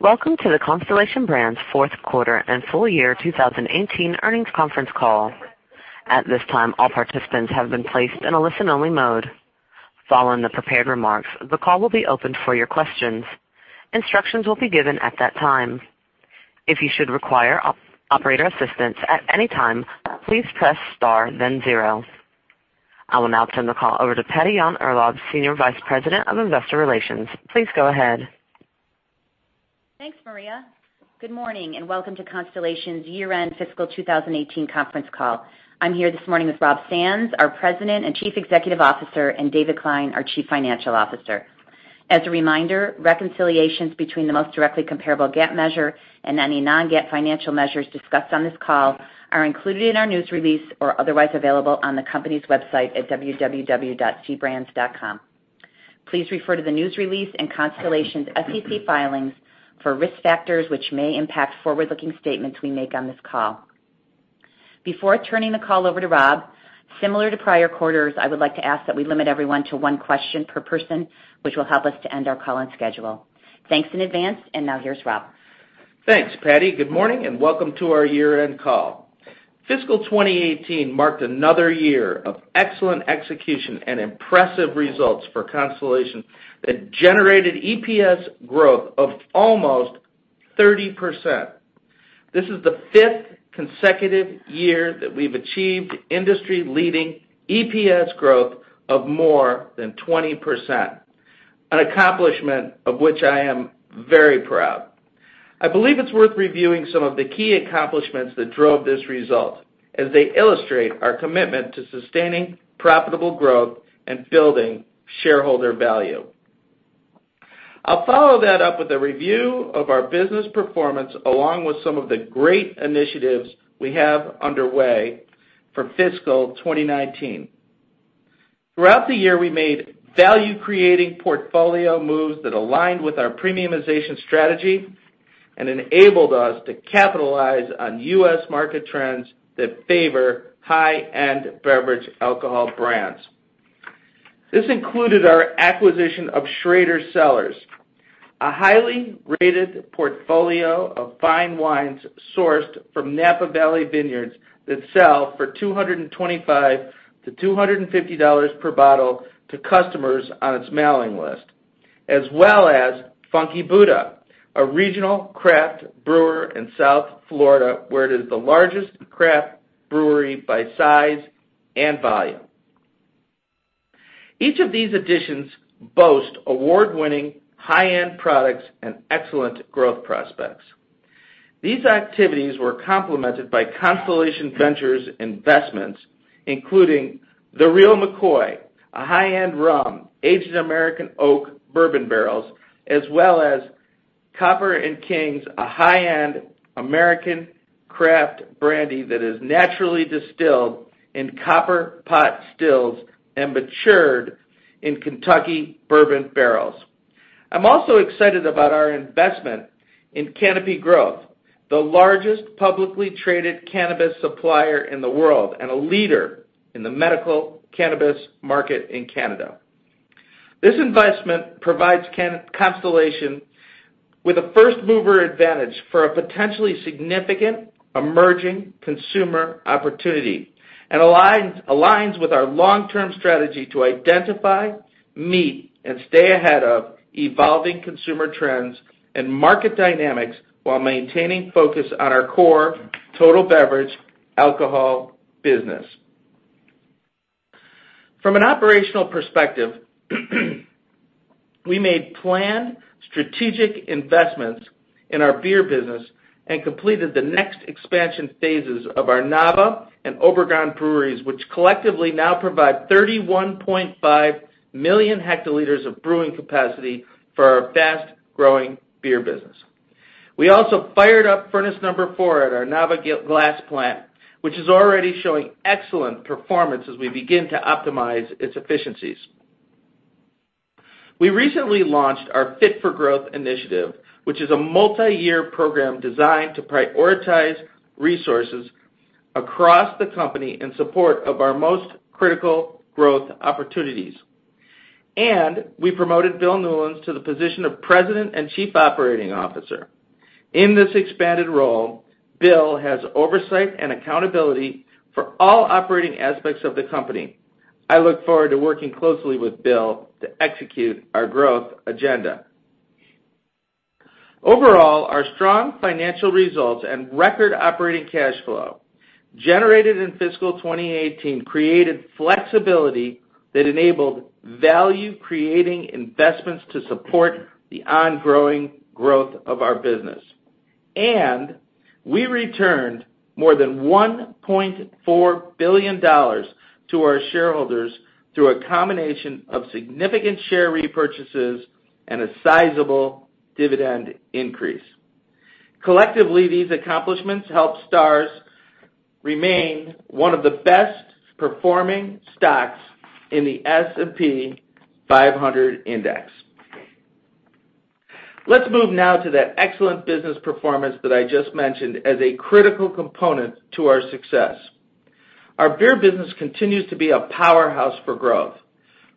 Welcome to the Constellation Brands fourth quarter and full year 2018 earnings conference call. At this time, all participants have been placed in a listen-only mode. Following the prepared remarks, the call will be opened for your questions. Instructions will be given at that time. If you should require operator assistance at any time, please press star then zero. I will now turn the call over to Patty Yahn-Urlaub, Senior Vice President of Investor Relations. Please go ahead. Thanks, Maria. Good morning and welcome to Constellation's year-end fiscal 2018 conference call. I'm here this morning with Rob Sands, our President and Chief Executive Officer, and David Klein, our Chief Financial Officer. As a reminder, reconciliations between the most directly comparable GAAP measure and any non-GAAP financial measures discussed on this call are included in our news release or otherwise available on the company's website at www.cbrands.com. Please refer to the news release and Constellation's SEC filings for risk factors which may impact forward-looking statements we make on this call. Before turning the call over to Rob, similar to prior quarters, I would like to ask that we limit everyone to one question per person, which will help us to end our call on schedule. Thanks in advance, now here's Rob. Thanks, Patty. Good morning and welcome to our year-end call. Fiscal 2018 marked another year of excellent execution and impressive results for Constellation that generated EPS growth of almost 30%. This is the fifth consecutive year that we've achieved industry-leading EPS growth of more than 20%, an accomplishment of which I am very proud. I believe it's worth reviewing some of the key accomplishments that drove this result, as they illustrate our commitment to sustaining profitable growth and building shareholder value. I'll follow that up with a review of our business performance, along with some of the great initiatives we have underway for fiscal 2019. Throughout the year, we made value-creating portfolio moves that aligned with our premiumization strategy and enabled us to capitalize on U.S. market trends that favor high-end beverage alcohol brands. This included our acquisition of Schrader Cellars, a highly rated portfolio of fine wines sourced from Napa Valley vineyards that sell for $225 to $250 per bottle to customers on its mailing list, as well as Funky Buddha, a regional craft brewer in South Florida, where it is the largest craft brewery by size and volume. Each of these additions boast award-winning high-end products and excellent growth prospects. These activities were complemented by Constellation Ventures investments, including The Real McCoy, a high-end rum, aged in American Oak bourbon barrels, as well as Copper and Kings, a high-end American craft brandy that is naturally distilled in copper pot stills and matured in Kentucky bourbon barrels. I'm also excited about our investment in Canopy Growth, the largest publicly traded cannabis supplier in the world and a leader in the medical cannabis market in Canada. This investment provides Constellation with a first-mover advantage for a potentially significant emerging consumer opportunity and aligns with our long-term strategy to identify, meet, and stay ahead of evolving consumer trends and market dynamics while maintaining focus on our core total beverage alcohol business. From an operational perspective, we made planned strategic investments in our beer business and completed the next expansion phases of our Nava and Obregon breweries, which collectively now provide 31.5 million hectoliters of brewing capacity for our fast-growing beer business. We also fired up furnace number 4 at our Nava glass plant, which is already showing excellent performance as we begin to optimize its efficiencies. We recently launched our Fit for Growth initiative, which is a multi-year program designed to prioritize resources across the company in support of our most critical growth opportunities. We promoted Bill Newlands to the position of President and Chief Operating Officer. In this expanded role, Bill has oversight and accountability for all operating aspects of the company. I look forward to working closely with Bill to execute our growth agenda. Overall, our strong financial results and record operating cash flow generated in fiscal 2018 created flexibility that enabled value-creating investments to support the ongoing growth of our business. We returned more than $1.4 billion to our shareholders through a combination of significant share repurchases and a sizable dividend increase. Collectively, these accomplishments helped STZ remain one of the best-performing stocks in the S&P 500 index. Let's move now to that excellent business performance that I just mentioned as a critical component to our success. Our beer business continues to be a powerhouse for growth,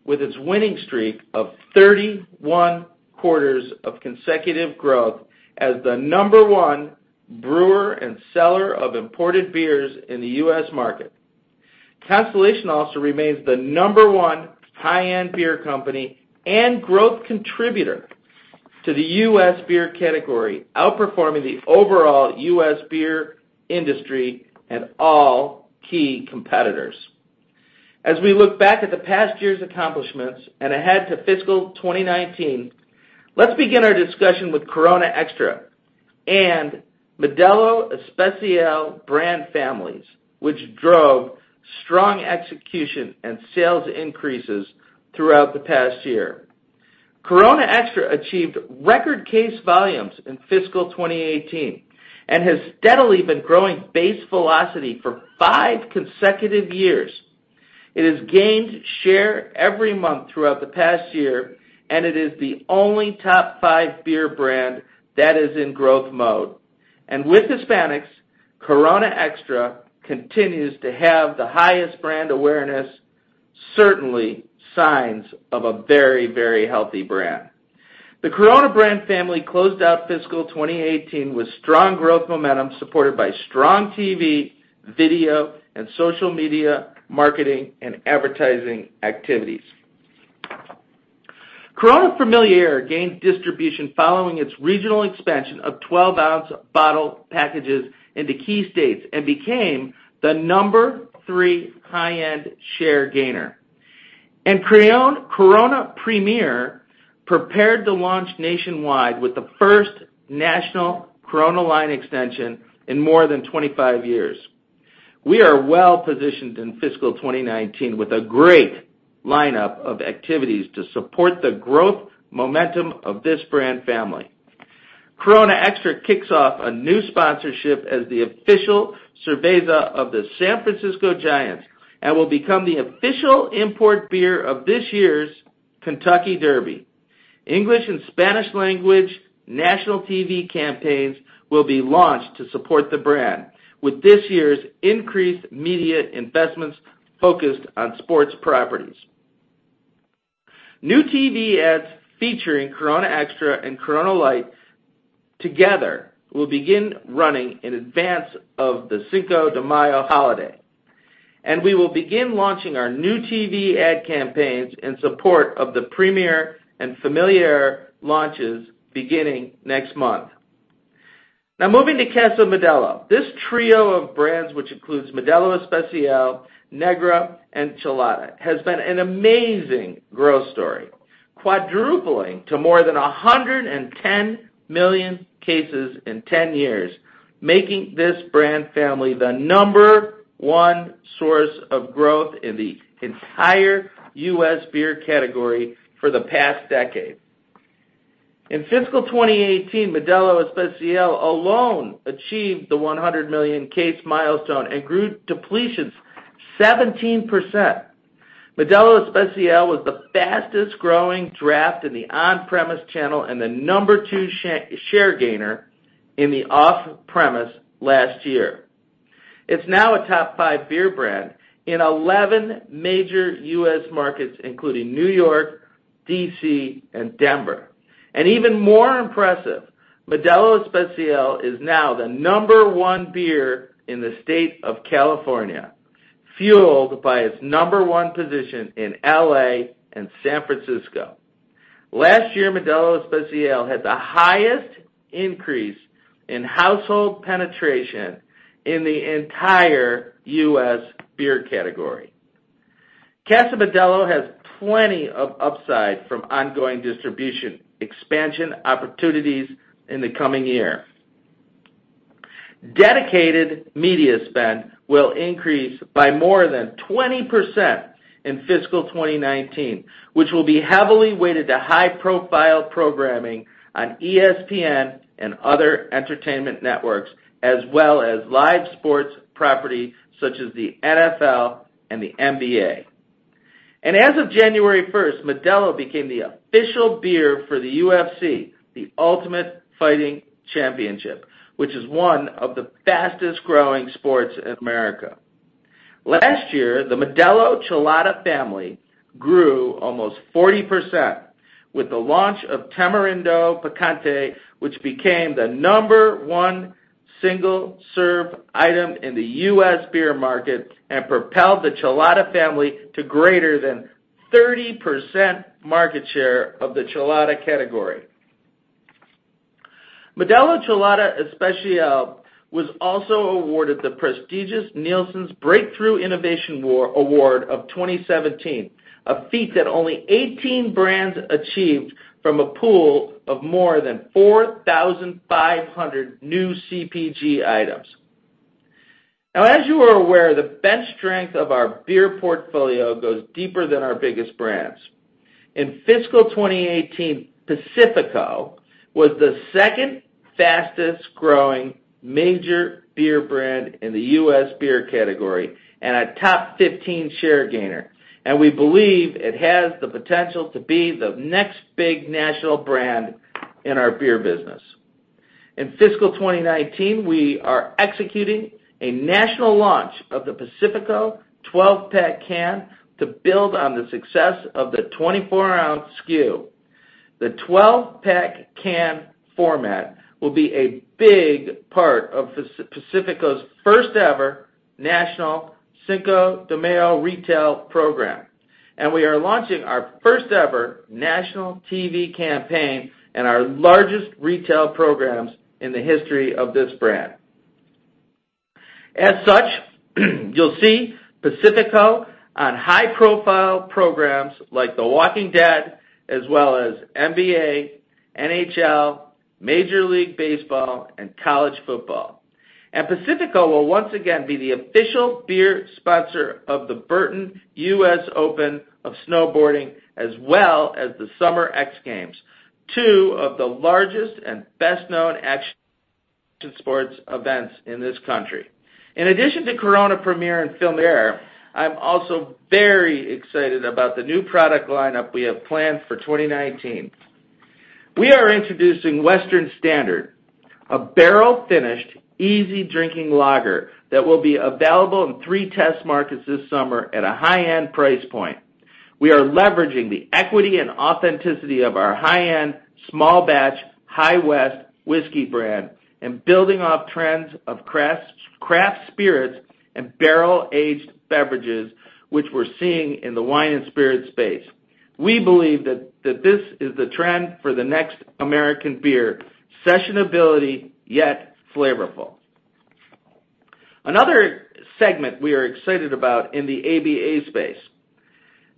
with its winning streak of 31 quarters of consecutive growth as the number one brewer and seller of imported beers in the U.S. market. Constellation also remains the number one high-end beer company and growth contributor to the U.S. beer category, outperforming the overall U.S. beer industry and all key competitors. As we look back at the past year's accomplishments and ahead to fiscal 2019, let's begin our discussion with Corona Extra and Modelo Especial brand families, which drove strong execution and sales increases throughout the past year. Corona Extra achieved record case volumes in fiscal 2018 and has steadily been growing base velocity for five consecutive years. It has gained share every month throughout the past year, and it is the only top five beer brand that is in growth mode. With Hispanics, Corona Extra continues to have the highest brand awareness, certainly signs of a very healthy brand. The Corona brand family closed out fiscal 2018 with strong growth momentum supported by strong TV, video, and social media, marketing, and advertising activities. Corona Familiar gained distribution following its regional expansion of 12-ounce bottle packages into key states and became the number three high-end share gainer. Corona Premier prepared to launch nationwide with the first national Corona line extension in more than 25 years. We are well-positioned in fiscal 2019 with a great lineup of activities to support the growth momentum of this brand family. Corona Extra kicks off a new sponsorship as the official cerveza of the San Francisco Giants and will become the official import beer of this year's Kentucky Derby. English and Spanish language national TV campaigns will be launched to support the brand, with this year's increased media investments focused on sports properties. New TV ads featuring Corona Extra and Corona Light together will begin running in advance of the Cinco de Mayo holiday, and we will begin launching our new TV ad campaigns in support of the Premier and Familiar launches beginning next month. Moving to Casa Modelo. This trio of brands, which includes Modelo Especial, Negra, and Chelada, has been an amazing growth story, quadrupling to more than 110 million cases in 10 years, making this brand family the number one source of growth in the entire U.S. beer category for the past decade. In fiscal 2018, Modelo Especial alone achieved the 100 million case milestone and grew depletions 17%. Modelo Especial was the fastest-growing draft in the on-premise channel and the number two share gainer in the off-premise last year. It is now a top five beer brand in 11 major U.S. markets, including New York, D.C., and Denver. Even more impressive, Modelo Especial is now the number one beer in the state of California, fueled by its number one position in L.A. and San Francisco. Last year, Modelo Especial had the highest increase in household penetration in the entire U.S. beer category. Casa Modelo has plenty of upside from ongoing distribution expansion opportunities in the coming year. Dedicated media spend will increase by more than 20% in fiscal 2019, which will be heavily weighted to high-profile programming on ESPN and other entertainment networks, as well as live sports property such as the NFL and the NBA. As of January 1st, Modelo became the official beer for the UFC, the Ultimate Fighting Championship, which is one of the fastest-growing sports in America. Last year, the Modelo Chelada family grew almost 40% with the launch of Tamarindo Picante, which became the number one single-serve item in the U.S. beer market and propelled the Chelada family to greater than 30% market share of the Chelada category. Modelo Chelada Especial was also awarded the prestigious Nielsen Breakthrough Innovation Award of 2017, a feat that only 18 brands achieved from a pool of more than 4,500 new CPG items. As you are aware, the bench strength of our beer portfolio goes deeper than our biggest brands. In fiscal 2018, Pacifico was the second fastest-growing major beer brand in the U.S. beer category and a top 15 share gainer. We believe it has the potential to be the next big national brand in our beer business. In fiscal 2019, we are executing a national launch of the Pacifico 12-pack can to build on the success of the 24-ounce SKU. The 12-pack can format will be a big part of Pacifico's first ever national Cinco de Mayo retail program, and we are launching our first ever national TV campaign and our largest retail programs in the history of this brand. As such, you will see Pacifico on high-profile programs like "The Walking Dead," as well as NBA, NHL, Major League Baseball, and college football. Pacifico will once again be the official beer sponsor of the Burton U.S. Open of Snowboarding, as well as the Summer X Games, two of the largest and best-known action sports events in this country. In addition to Corona Premier and Corona Familiar, I'm also very excited about the new product lineup we have planned for 2019. We are introducing Western Standard, a barrel-finished, easy-drinking lager that will be available in three test markets this summer at a high-end price point. We are leveraging the equity and authenticity of our high-end, small batch, High West whiskey brand and building off trends of craft spirits and barrel-aged beverages, which we're seeing in the wine and spirits space. We believe that this is the trend for the next American beer, sessionability, yet flavorful. Another segment we are excited about in the FMB space.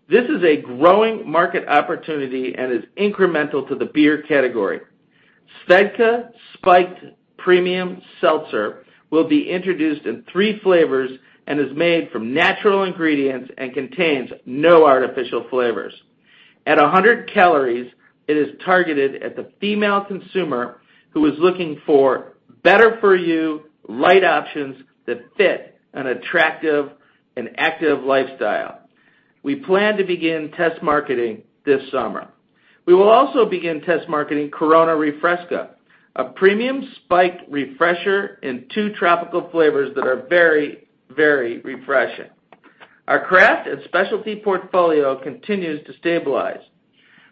This is a growing market opportunity and is incremental to the beer category. SVEDKA spiked premium seltzer will be introduced in three flavors and is made from natural ingredients and contains no artificial flavors. At 100 calories, it is targeted at the female consumer who is looking for better for you, light options that fit an attractive and active lifestyle. We plan to begin test marketing this summer. We will also begin test marketing Corona Refresca, a premium spiked refresher in two tropical flavors that are very, very refreshing. Our craft and specialty portfolio continues to stabilize.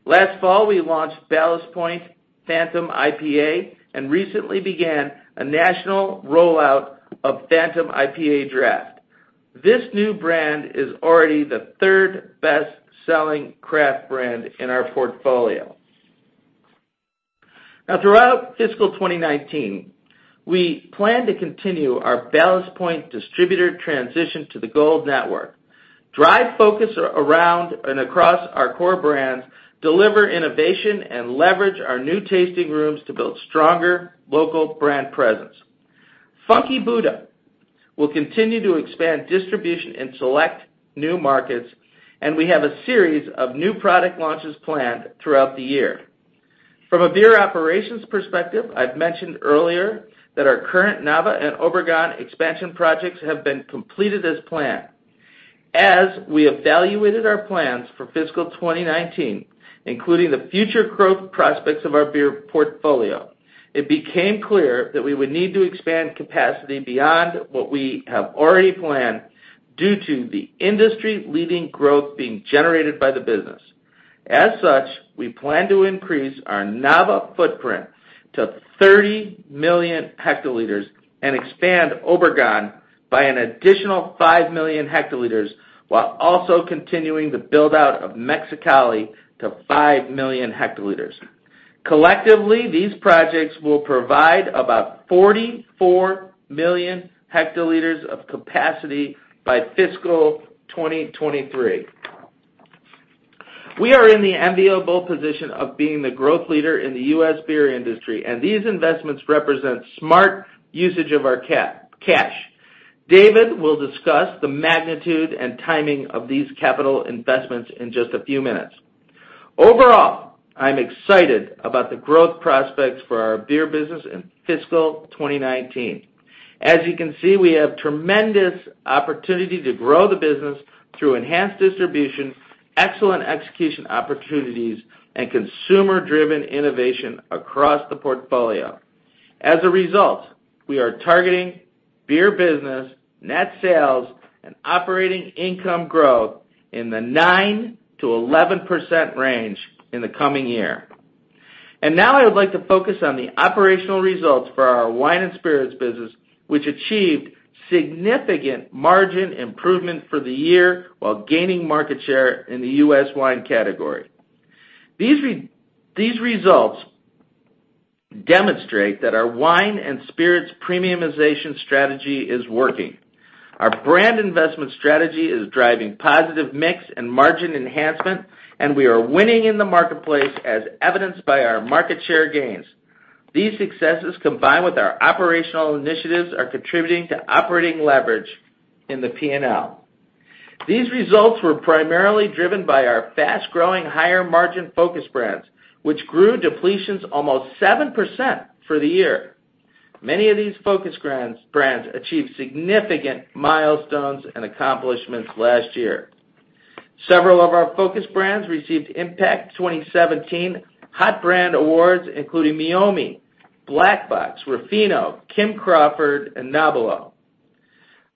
Last fall, we launched Ballast Point Fathom IPA and recently began a national rollout of Fathom IPA Draft. This new brand is already the third-best-selling craft brand in our portfolio. Throughout fiscal 2019, we plan to continue our Ballast Point distributor transition to the Gold Network, drive focus around and across our core brands, deliver innovation, and leverage our new tasting rooms to build stronger local brand presence. Funky Buddha will continue to expand distribution in select new markets, and we have a series of new product launches planned throughout the year. From a beer operations perspective, I've mentioned earlier that our current Nava and Obregon expansion projects have been completed as planned. As we evaluated our plans for fiscal 2019, including the future growth prospects of our beer portfolio, it became clear that we would need to expand capacity beyond what we have already planned due to the industry-leading growth being generated by the business. As such, we plan to increase our Nava footprint to 30 million hectoliters and expand Obregon by an additional 5 million hectoliters while also continuing the build-out of Mexicali to 5 million hectoliters. Collectively, these projects will provide about 44 million hectoliters of capacity by fiscal 2023. We are in the enviable position of being the growth leader in the U.S. beer industry, and these investments represent smart usage of our cash. David will discuss the magnitude and timing of these capital investments in just a few minutes. Overall, I'm excited about the growth prospects for our beer business in fiscal 2019. As you can see, we have tremendous opportunity to grow the business through enhanced distribution, excellent execution opportunities, and consumer-driven innovation across the portfolio. As a result, we are targeting beer business, net sales, and operating income growth in the 9%-11% range in the coming year. Now I would like to focus on the operational results for our wine and spirits business, which achieved significant margin improvement for the year while gaining market share in the U.S. wine category. These results demonstrate that our wine and spirits premiumization strategy is working. Our brand investment strategy is driving positive mix and margin enhancement. We are winning in the marketplace as evidenced by our market share gains. These successes, combined with our operational initiatives, are contributing to operating leverage in the P&L. These results were primarily driven by our fast-growing, higher margin focus brands, which grew depletions almost 7% for the year. Many of these focus brands achieved significant milestones and accomplishments last year. Several of our focus brands received Impact 2017 Hot Brand Awards, including Meiomi, Black Box, Ruffino, Kim Crawford, and Nobilo.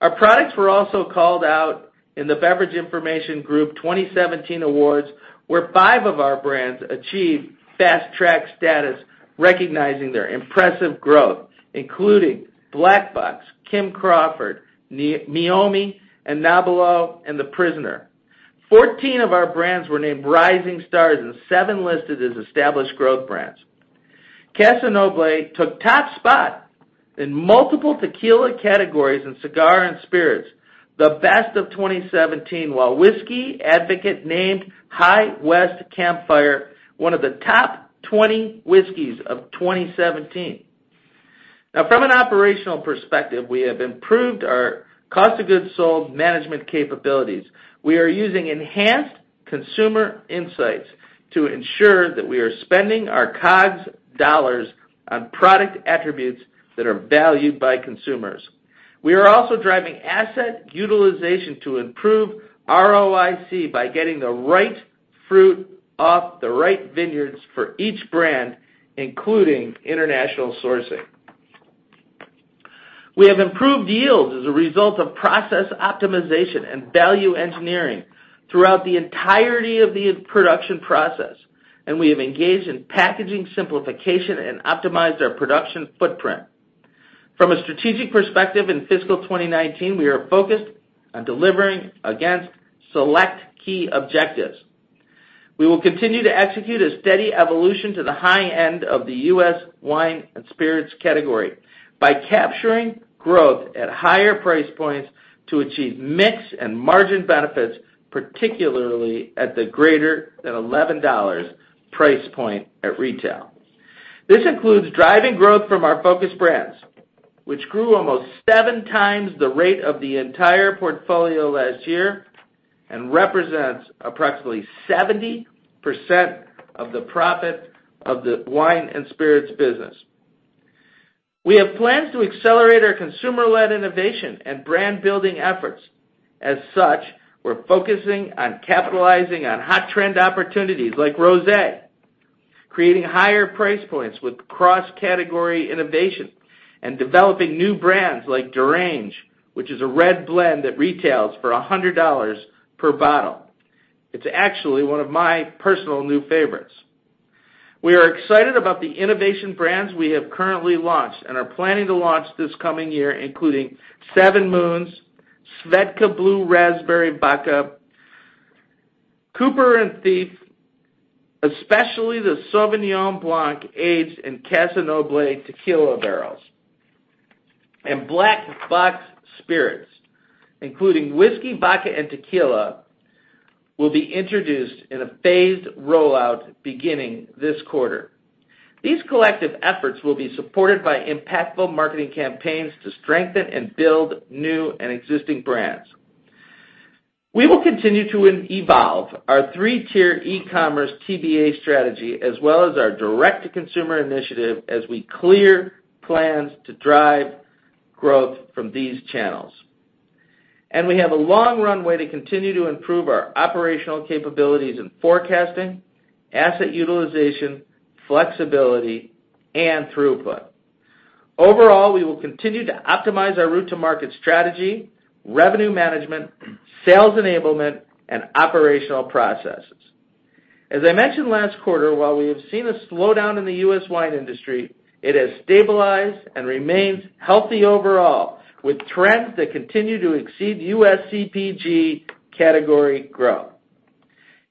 Our products were also called out in the Beverage Information Group 2017 Awards, where 5 of our brands achieved fast-track status, recognizing their impressive growth, including Black Box, Kim Crawford, Meiomi, Nobilo, and The Prisoner. 14 of our brands were named Rising Stars, and 7 listed as Established Growth Brands. Casa Noble took Top spot in multiple tequila categories in Cigar Aficionado's Top 25 Spirits of 2017, while Whisky Advocate named High West Campfire one of the Top 20 Whiskeys of 2017. From an operational perspective, we have improved our cost of goods sold management capabilities. We are using enhanced consumer insights to ensure that we are spending our COGS dollars on product attributes that are valued by consumers. We are also driving asset utilization to improve ROIC by getting the right fruit off the right vineyards for each brand, including international sourcing. We have improved yields as a result of process optimization and value engineering throughout the entirety of the production process. We have engaged in packaging simplification and optimized our production footprint. From a strategic perspective, in fiscal 2019, we are focused on delivering against select key objectives. We will continue to execute a steady evolution to the high end of the U.S. wine and spirits category by capturing growth at higher price points to achieve mix and margin benefits, particularly at the greater than $11 price point at retail. This includes driving growth from our focus brands, which grew almost 7 times the rate of the entire portfolio last year and represents approximately 70% of the profit of the wine and spirits business. We have plans to accelerate our consumer-led innovation and brand-building efforts. We're focusing on capitalizing on hot trend opportunities like rosé, creating higher price points with cross-category innovation, and developing new brands like Range, which is a red blend that retails for $100 per bottle. It's actually one of my personal new favorites. We are excited about the innovation brands we have currently launched and are planning to launch this coming year, including 7 Moons, SVEDKA Blue Raspberry Vodka, Cooper & Thief, especially the Sauvignon Blanc aged in Casa Noble tequila barrels, and Black Box Spirits, including whiskey, vodka, and tequila, will be introduced in a phased rollout beginning this quarter. These collective efforts will be supported by impactful marketing campaigns to strengthen and build new and existing brands. We will continue to evolve our three-tier e-commerce TBA strategy, as well as our direct-to-consumer initiative, as we clear plans to drive growth from these channels. We have a long runway to continue to improve our operational capabilities in forecasting, asset utilization, flexibility, and throughput. Overall, we will continue to optimize our go-to-market strategy, revenue management, sales enablement, and operational processes. As I mentioned last quarter, while we have seen a slowdown in the U.S. wine industry, it has stabilized and remains healthy overall, with trends that continue to exceed U.S. CPG category growth.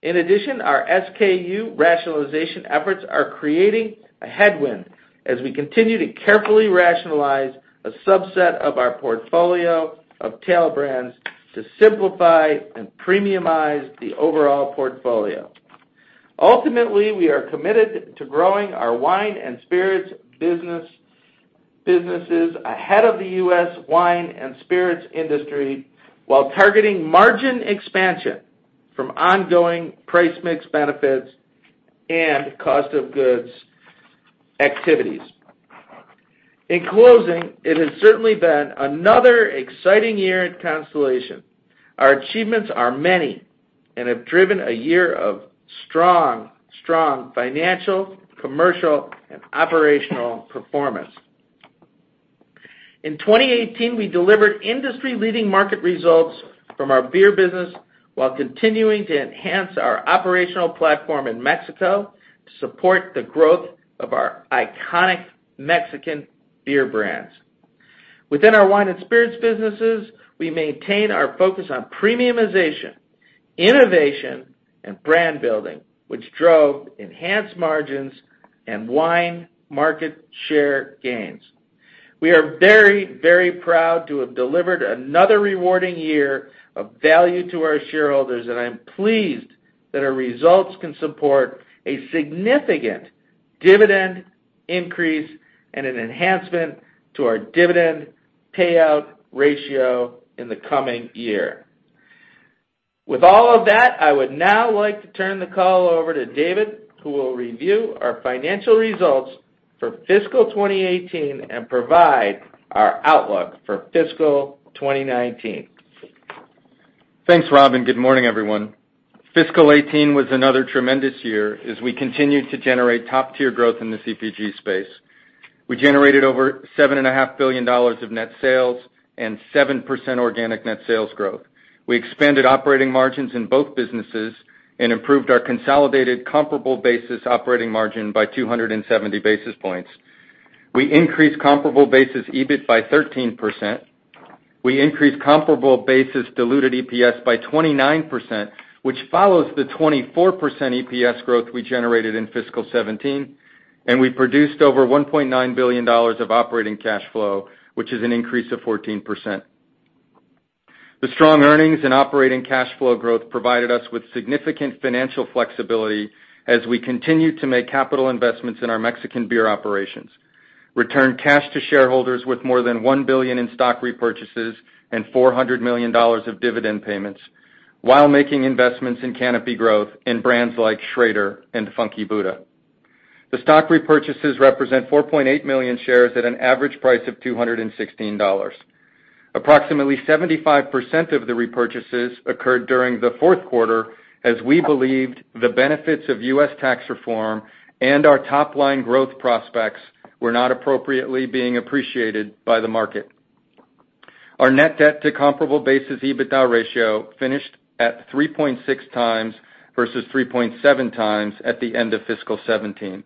In addition, our SKU rationalization efforts are creating a headwind as we continue to carefully rationalize a subset of our portfolio of tail brands to simplify and premiumize the overall portfolio. Ultimately, we are committed to growing our wine and spirits businesses ahead of the U.S. wine and spirits industry while targeting margin expansion from ongoing price mix benefits and cost of goods activities. In closing, it has certainly been another exciting year at Constellation. Our achievements are many and have driven a year of strong financial, commercial, and operational performance. In 2018, we delivered industry-leading market results from our beer business while continuing to enhance our operational platform in Mexico to support the growth of our iconic Mexican beer brands. Within our wine and spirits businesses, we maintain our focus on premiumization, innovation, and brand building, which drove enhanced margins and wine market share gains. We are very proud to have delivered another rewarding year of value to our shareholders, and I'm pleased that our results can support a significant dividend increase and an enhancement to our dividend payout ratio in the coming year. With all of that, I would now like to turn the call over to David, who will review our financial results for fiscal 2018 and provide our outlook for fiscal 2019. Thanks, Rob, and good morning, everyone. Fiscal 2018 was another tremendous year as we continued to generate top-tier growth in the CPG space. We generated over $7.5 billion of net sales and 7% organic net sales growth. We expanded operating margins in both businesses and improved our consolidated comparable basis operating margin by 270 basis points. We increased comparable basis EBIT by 13%. We increased comparable basis diluted EPS by 29%, which follows the 24% EPS growth we generated in fiscal 2017, and we produced over $1.9 billion of operating cash flow, which is an increase of 14%. The strong earnings and operating cash flow growth provided us with significant financial flexibility as we continued to make capital investments in our Mexican beer operations, return cash to shareholders with more than $1 billion in stock repurchases and $400 million of dividend payments while making investments in Canopy Growth in brands like Schrader and Funky Buddha. The stock repurchases represent 4.8 million shares at an average price of $216. Approximately 75% of the repurchases occurred during the fourth quarter, as we believed the benefits of U.S. tax reform and our top-line growth prospects were not appropriately being appreciated by the market. Our net debt to comparable basis EBITDA ratio finished at 3.6 times versus 3.7 times at the end of fiscal 2017.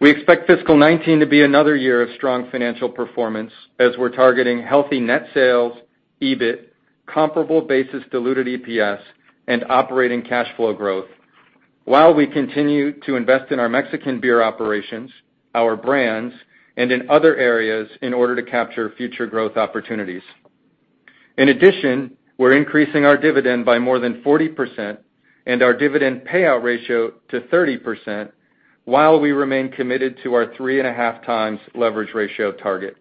We expect fiscal 2019 to be another year of strong financial performance as we're targeting healthy net sales, EBIT, comparable basis diluted EPS, and operating cash flow growth while we continue to invest in our Mexican beer operations, our brands, and in other areas in order to capture future growth opportunities. In addition, we're increasing our dividend by more than 40% and our dividend payout ratio to 30%, while we remain committed to our 3.5 times leverage ratio target.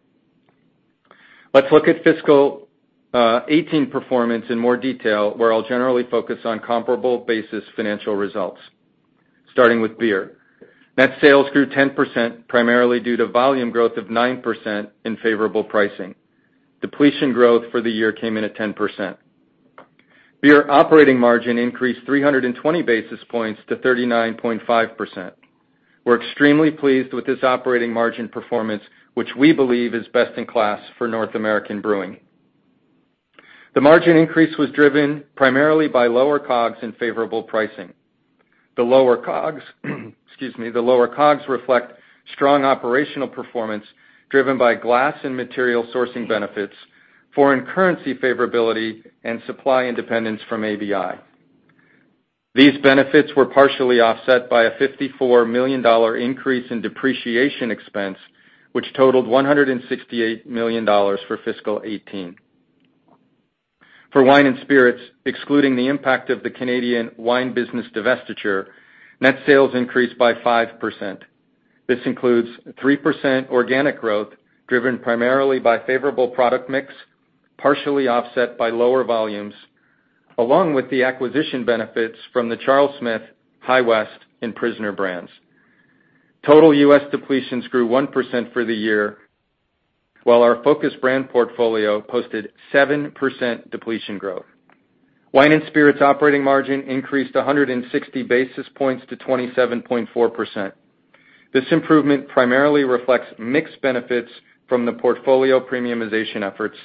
Let's look at fiscal 2018 performance in more detail, where I'll generally focus on comparable basis financial results. Starting with beer. Net sales grew 10%, primarily due to volume growth of 9% in favorable pricing. Depletion growth for the year came in at 10%. Beer operating margin increased 320 basis points to 39.5%. We're extremely pleased with this operating margin performance, which we believe is best in class for North American brewing. The margin increase was driven primarily by lower COGS and favorable pricing. The lower COGS reflect strong operational performance driven by glass and material sourcing benefits, foreign currency favorability, and supply independence from ABI. These benefits were partially offset by a $54 million increase in depreciation expense, which totaled $168 million for fiscal 2018. For wine and spirits, excluding the impact of the Canadian wine business divestiture, net sales increased by 5%. This includes 3% organic growth, driven primarily by favorable product mix, partially offset by lower volumes, along with the acquisition benefits from the Charles Smith, High West, and The Prisoner brands. Total U.S. depletions grew 1% for the year, while our focused brand portfolio posted 7% depletion growth. Wine and spirits operating margin increased 160 basis points to 27.4%. This improvement primarily reflects mixed benefits from the portfolio premiumization efforts,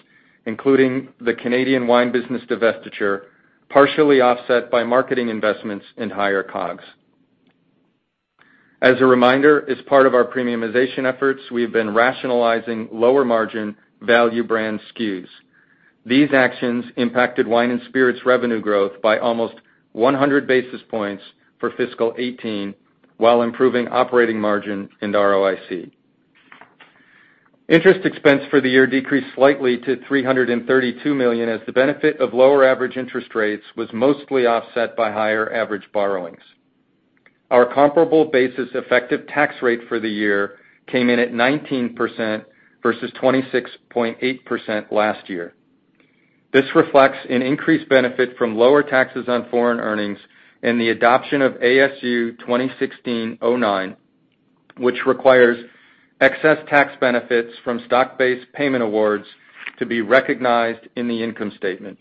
including the Canadian wine business divestiture, partially offset by marketing investments in higher COGS. As a reminder, as part of our premiumization efforts, we've been rationalizing lower-margin value brand SKUs. These actions impacted wine and spirits revenue growth by almost 100 basis points for fiscal 2018, while improving operating margin and ROIC. Interest expense for the year decreased slightly to $332 million as the benefit of lower average interest rates was mostly offset by higher average borrowings. Our comparable basis effective tax rate for the year came in at 19% versus 26.8% last year. This reflects an increased benefit from lower taxes on foreign earnings and the adoption of ASU 2016-09, which requires excess tax benefits from stock-based payment awards to be recognized in the income statement.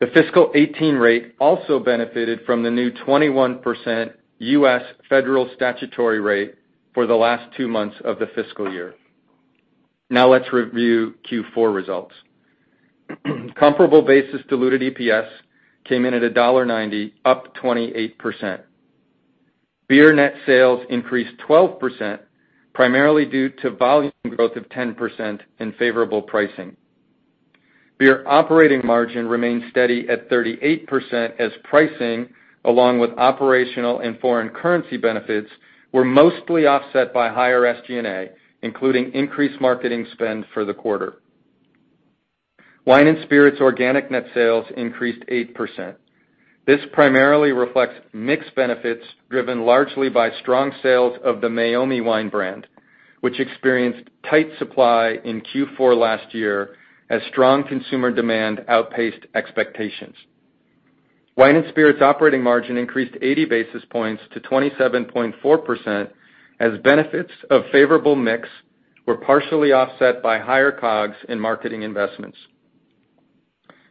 The fiscal 2018 rate also benefited from the new 21% U.S. federal statutory rate for the last two months of the fiscal year. Now let's review Q4 results. Comparable basis diluted EPS came in at $1.90, up 28%. Beer net sales increased 12%, primarily due to volume growth of 10% in favorable pricing. Beer operating margin remained steady at 38% as pricing, along with operational and foreign currency benefits, were mostly offset by higher SG&A, including increased marketing spend for the quarter. Wine and spirits organic net sales increased 8%. This primarily reflects mixed benefits driven largely by strong sales of the Meiomi wine brand, which experienced tight supply in Q4 last year as strong consumer demand outpaced expectations. Wine and spirits operating margin increased 80 basis points to 27.4% as benefits of favorable mix were partially offset by higher COGS and marketing investments.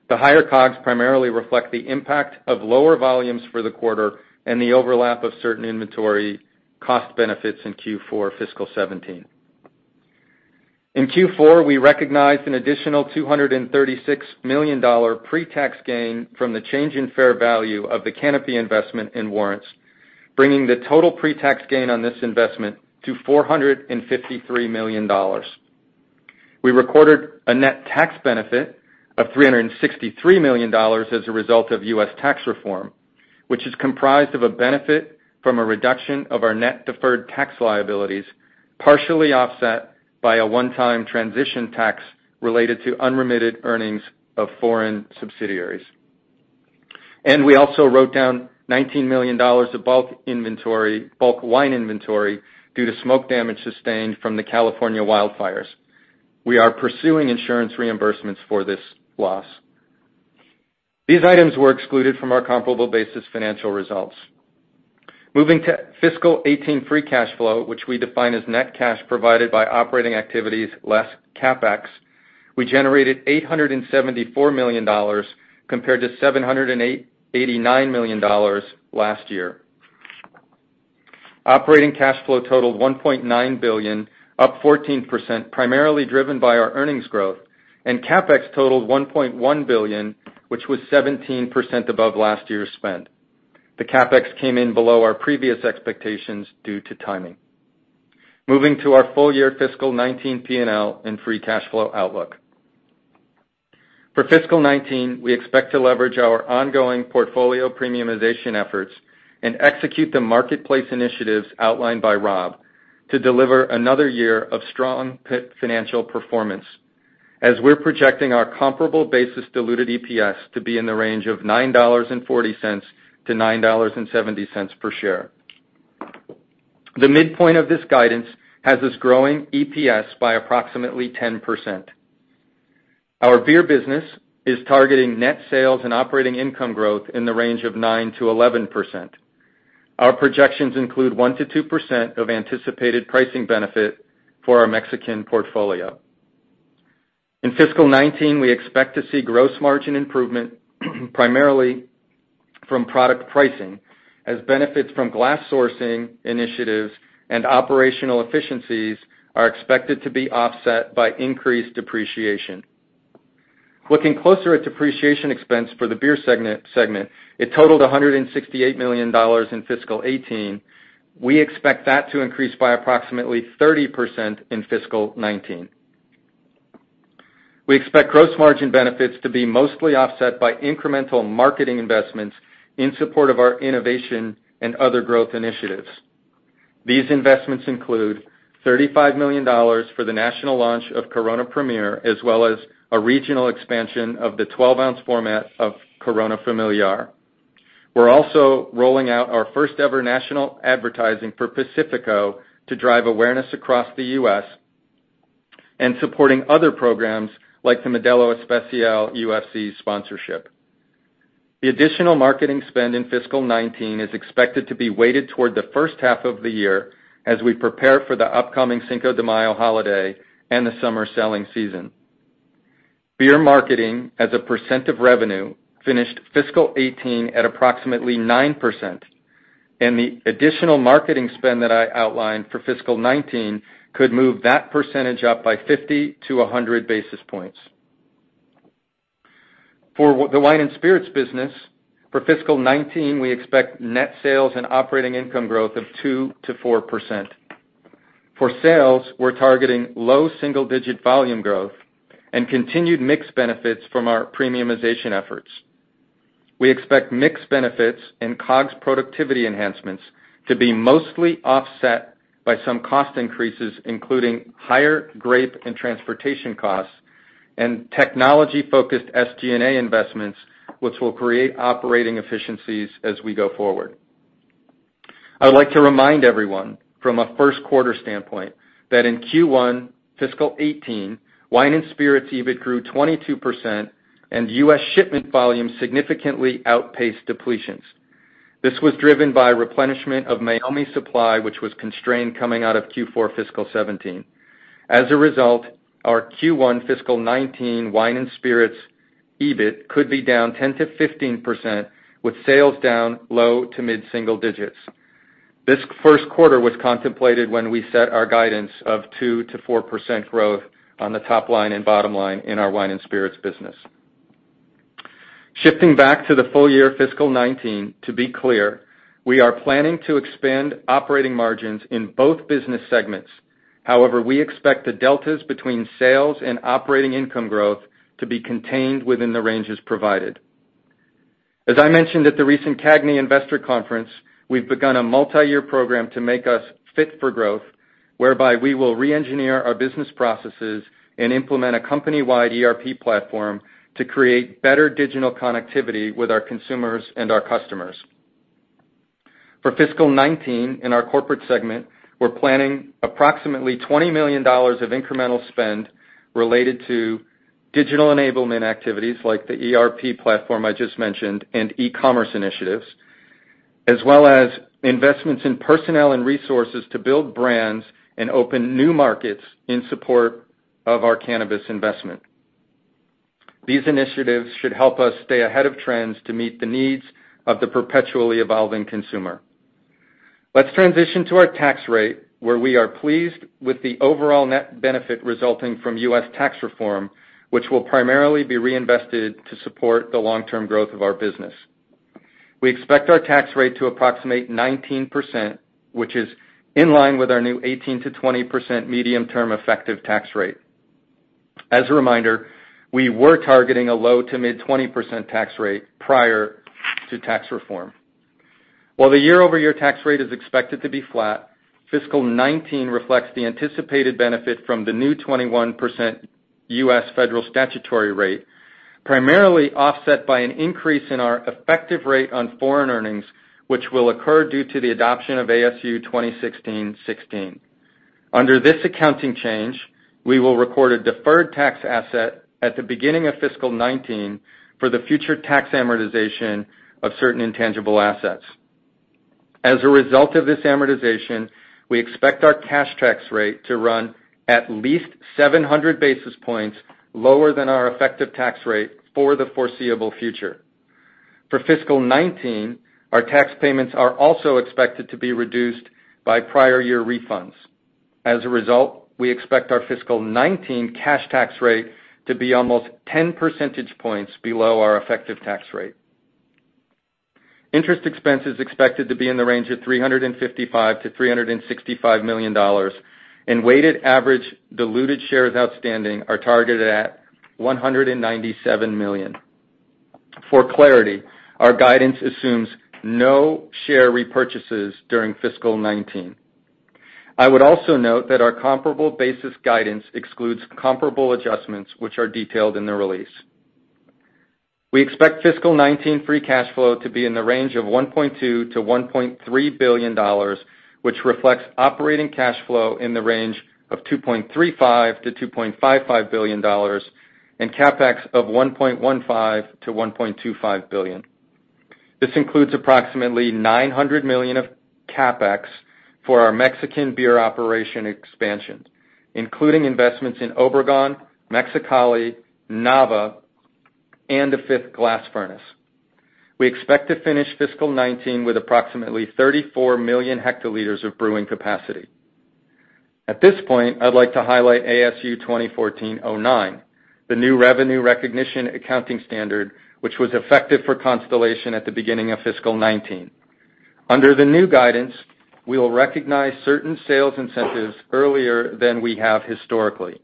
The higher COGS primarily reflect the impact of lower volumes for the quarter and the overlap of certain inventory cost benefits in Q4 fiscal 2017. In Q4, we recognized an additional $236 million pre-tax gain from the change in fair value of the Canopy investment in warrants, bringing the total pre-tax gain on this investment to $453 million. We recorded a net tax benefit of $363 million as a result of U.S. tax reform, which is comprised of a benefit from a reduction of our net deferred tax liabilities, partially offset by a one-time transition tax related to unremitted earnings of foreign subsidiaries. We also wrote down $19 million of bulk wine inventory due to smoke damage sustained from the California wildfires. We are pursuing insurance reimbursements for this loss. These items were excluded from our comparable basis financial results. Moving to fiscal 2018 free cash flow, which we define as net cash provided by operating activities less CapEx, we generated $874 million compared to $789 million last year. Operating cash flow totaled $1.9 billion, up 14%, primarily driven by our earnings growth. CapEx totaled $1.1 billion, which was 17% above last year's spend. The CapEx came in below our previous expectations due to timing. Moving to our full year fiscal 2019 P&L and free cash flow outlook. For fiscal 2019, we expect to leverage our ongoing portfolio premiumization efforts and execute the marketplace initiatives outlined by Rob to deliver another year of strong financial performance, as we're projecting our comparable basis diluted EPS to be in the range of $9.40-$9.70 per share. The midpoint of this guidance has us growing EPS by approximately 10%. Our beer business is targeting net sales and operating income growth in the range of 9%-11%. Our projections include 1%-2% of anticipated pricing benefit for our Mexican portfolio. In fiscal 2019, we expect to see gross margin improvement primarily from product pricing, as benefits from glass sourcing initiatives and operational efficiencies are expected to be offset by increased depreciation. Looking closer at depreciation expense for the beer segment, it totaled $168 million in fiscal 2018. We expect that to increase by approximately 30% in fiscal 2019. We expect gross margin benefits to be mostly offset by incremental marketing investments in support of our innovation and other growth initiatives. These investments include $35 million for the national launch of Corona Premier, as well as a regional expansion of the 12-ounce format of Corona Familiar. We're also rolling out our first ever national advertising for Pacifico to drive awareness across the U.S. and supporting other programs like the Modelo Especial UFC sponsorship. The additional marketing spend in fiscal 2019 is expected to be weighted toward the first half of the year, as we prepare for the upcoming Cinco de Mayo holiday and the summer selling season. Beer marketing as a percent of revenue finished fiscal 2018 at approximately 9%. The additional marketing spend that I outlined for fiscal 2019 could move that percentage up by 50 to 100 basis points. For the Wine and Spirits business, for fiscal 2019, we expect net sales and operating income growth of 2%-4%. For sales, we're targeting low single-digit volume growth and continued mix benefits from our premiumization efforts. We expect mix benefits and COGS productivity enhancements to be mostly offset by some cost increases, including higher grape and transportation costs and technology-focused SG&A investments, which will create operating efficiencies as we go forward. I would like to remind everyone from a first quarter standpoint that in Q1 fiscal 2018, Wine and Spirits EBIT grew 22% and U.S. shipment volume significantly outpaced depletions. This was driven by replenishment of Meiomi supply, which was constrained coming out of Q4 fiscal 2017. As a result, our Q1 fiscal 2019 Wine and Spirits EBIT could be down 10%-15%, with sales down low to mid single digits. This first quarter was contemplated when we set our guidance of 2%-4% growth on the top line and bottom line in our Wine and Spirits business. Shifting back to the full year fiscal 2019, to be clear, we are planning to expand operating margins in both business segments. However, we expect the deltas between sales and operating income growth to be contained within the ranges provided. As I mentioned at the recent CAGNY investor conference, we've begun a multi-year program to make us Fit for Growth, whereby we will re-engineer our business processes and implement a company-wide ERP platform to create better digital connectivity with our consumers and our customers. For fiscal 2019, in our corporate segment, we're planning approximately $20 million of incremental spend related to digital enablement activities, like the ERP platform I just mentioned and e-commerce initiatives, as well as investments in personnel and resources to build brands and open new markets in support of our cannabis investment. These initiatives should help us stay ahead of trends to meet the needs of the perpetually evolving consumer. Let's transition to our tax rate, where we are pleased with the overall net benefit resulting from U.S. tax reform, which will primarily be reinvested to support the long-term growth of our business. We expect our tax rate to approximate 19%, which is in line with our new 18%-20% medium-term effective tax rate. As a reminder, we were targeting a low to mid-20% tax rate prior to tax reform. While the year-over-year tax rate is expected to be flat, fiscal 2019 reflects the anticipated benefit from the new 21% U.S. federal statutory rate, primarily offset by an increase in our effective rate on foreign earnings, which will occur due to the adoption of ASU 2016-16. Under this accounting change, we will record a deferred tax asset at the beginning of fiscal 2019 for the future tax amortization of certain intangible assets. As a result of this amortization, we expect our cash tax rate to run at least 700 basis points lower than our effective tax rate for the foreseeable future. For fiscal 2019, our tax payments are also expected to be reduced by prior year refunds. As a result, we expect our fiscal 2019 cash tax rate to be almost 10 percentage points below our effective tax rate. Interest expense is expected to be in the range of $355 million-$365 million, and weighted average diluted shares outstanding are targeted at 197 million. For clarity, our guidance assumes no share repurchases during fiscal 2019. I would also note that our comparable basis guidance excludes comparable adjustments, which are detailed in the release. We expect fiscal 2019 free cash flow to be in the range of $1.2 billion-$1.3 billion, which reflects operating cash flow in the range of $2.35 billion-$2.55 billion, and CapEx of $1.15 billion-$1.25 billion. This includes approximately $900 million of CapEx for our Mexican beer operation expansion, including investments in Obregon, Mexicali, Nava, and a fifth glass furnace. We expect to finish fiscal 2019 with approximately 34 million hectoliters of brewing capacity. At this point, I'd like to highlight ASU 2014-09, the new revenue recognition accounting standard, which was effective for Constellation at the beginning of fiscal 2019. Under the new guidance, we will recognize certain sales incentives earlier than we have historically.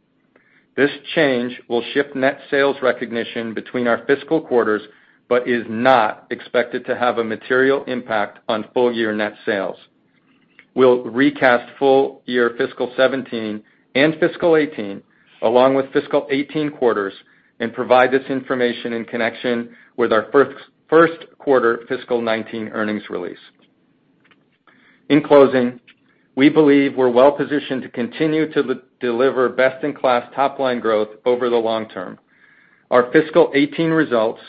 This change will shift net sales recognition between our fiscal quarters, but is not expected to have a material impact on full year net sales. We'll recast full year fiscal 2017 and fiscal 2018, along with fiscal 2018 quarters, and provide this information in connection with our first quarter fiscal 2019 earnings release. In closing, we believe we're well positioned to continue to deliver best-in-class top-line growth over the long term. Our fiscal 2018 results,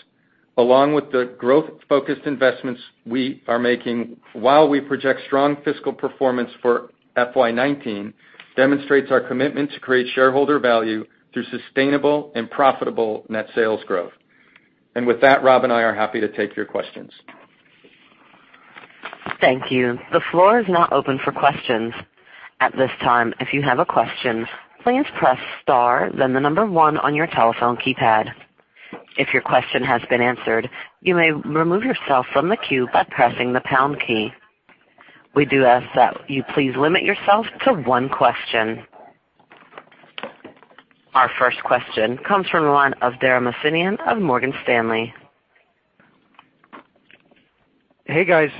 along with the growth-focused investments we are making while we project strong fiscal performance for FY 2019, demonstrates our commitment to create shareholder value through sustainable and profitable net sales growth. With that, Rob and I are happy to take your questions. Thank you. The floor is now open for questions. At this time, if you have a question, please press star, then the number one on your telephone keypad. If your question has been answered, you may remove yourself from the queue by pressing the pound key. We do ask that you please limit yourself to one question. Our first question comes from the line of Dara Mohsenian of Morgan Stanley. Hey, guys.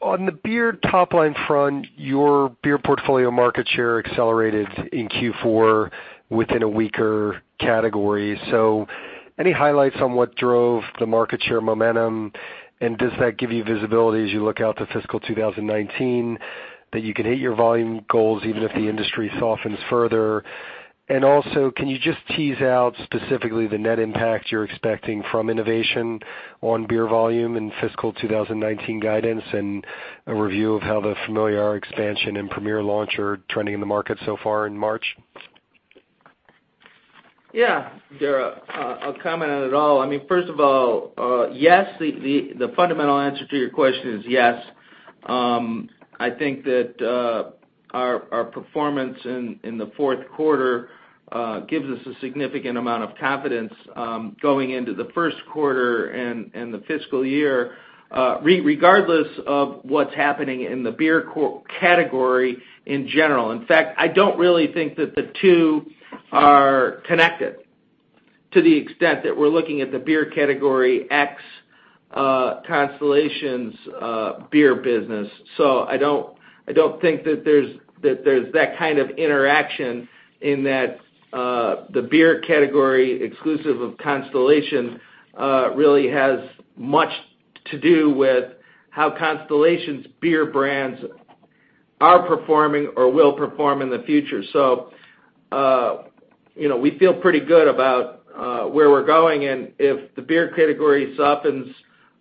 On the beer top-line front, your beer portfolio market share accelerated in Q4 within a weaker category. Any highlights on what drove the market share momentum, and does that give you visibility as you look out to fiscal 2019 that you can hit your volume goals even if the industry softens further? Also, can you just tease out specifically the net impact you're expecting from innovation on beer volume in fiscal 2019 guidance, and a review of how the Familiar expansion and Premier launch are trending in the market so far in March? Yeah, Dara. I'll comment on it all. First of all, yes. The fundamental answer to your question is yes. I think that our performance in the fourth quarter gives us a significant amount of confidence going into the first quarter and the fiscal year, regardless of what's happening in the beer category in general. In fact, I don't really think that the two are connected to the extent that we're looking at the beer category X Constellation's beer business. I don't I don't think that there's that kind of interaction in that the beer category, exclusive of Constellation, really has much to do with how Constellation's beer brands are performing or will perform in the future. We feel pretty good about where we're going, and if the beer category softens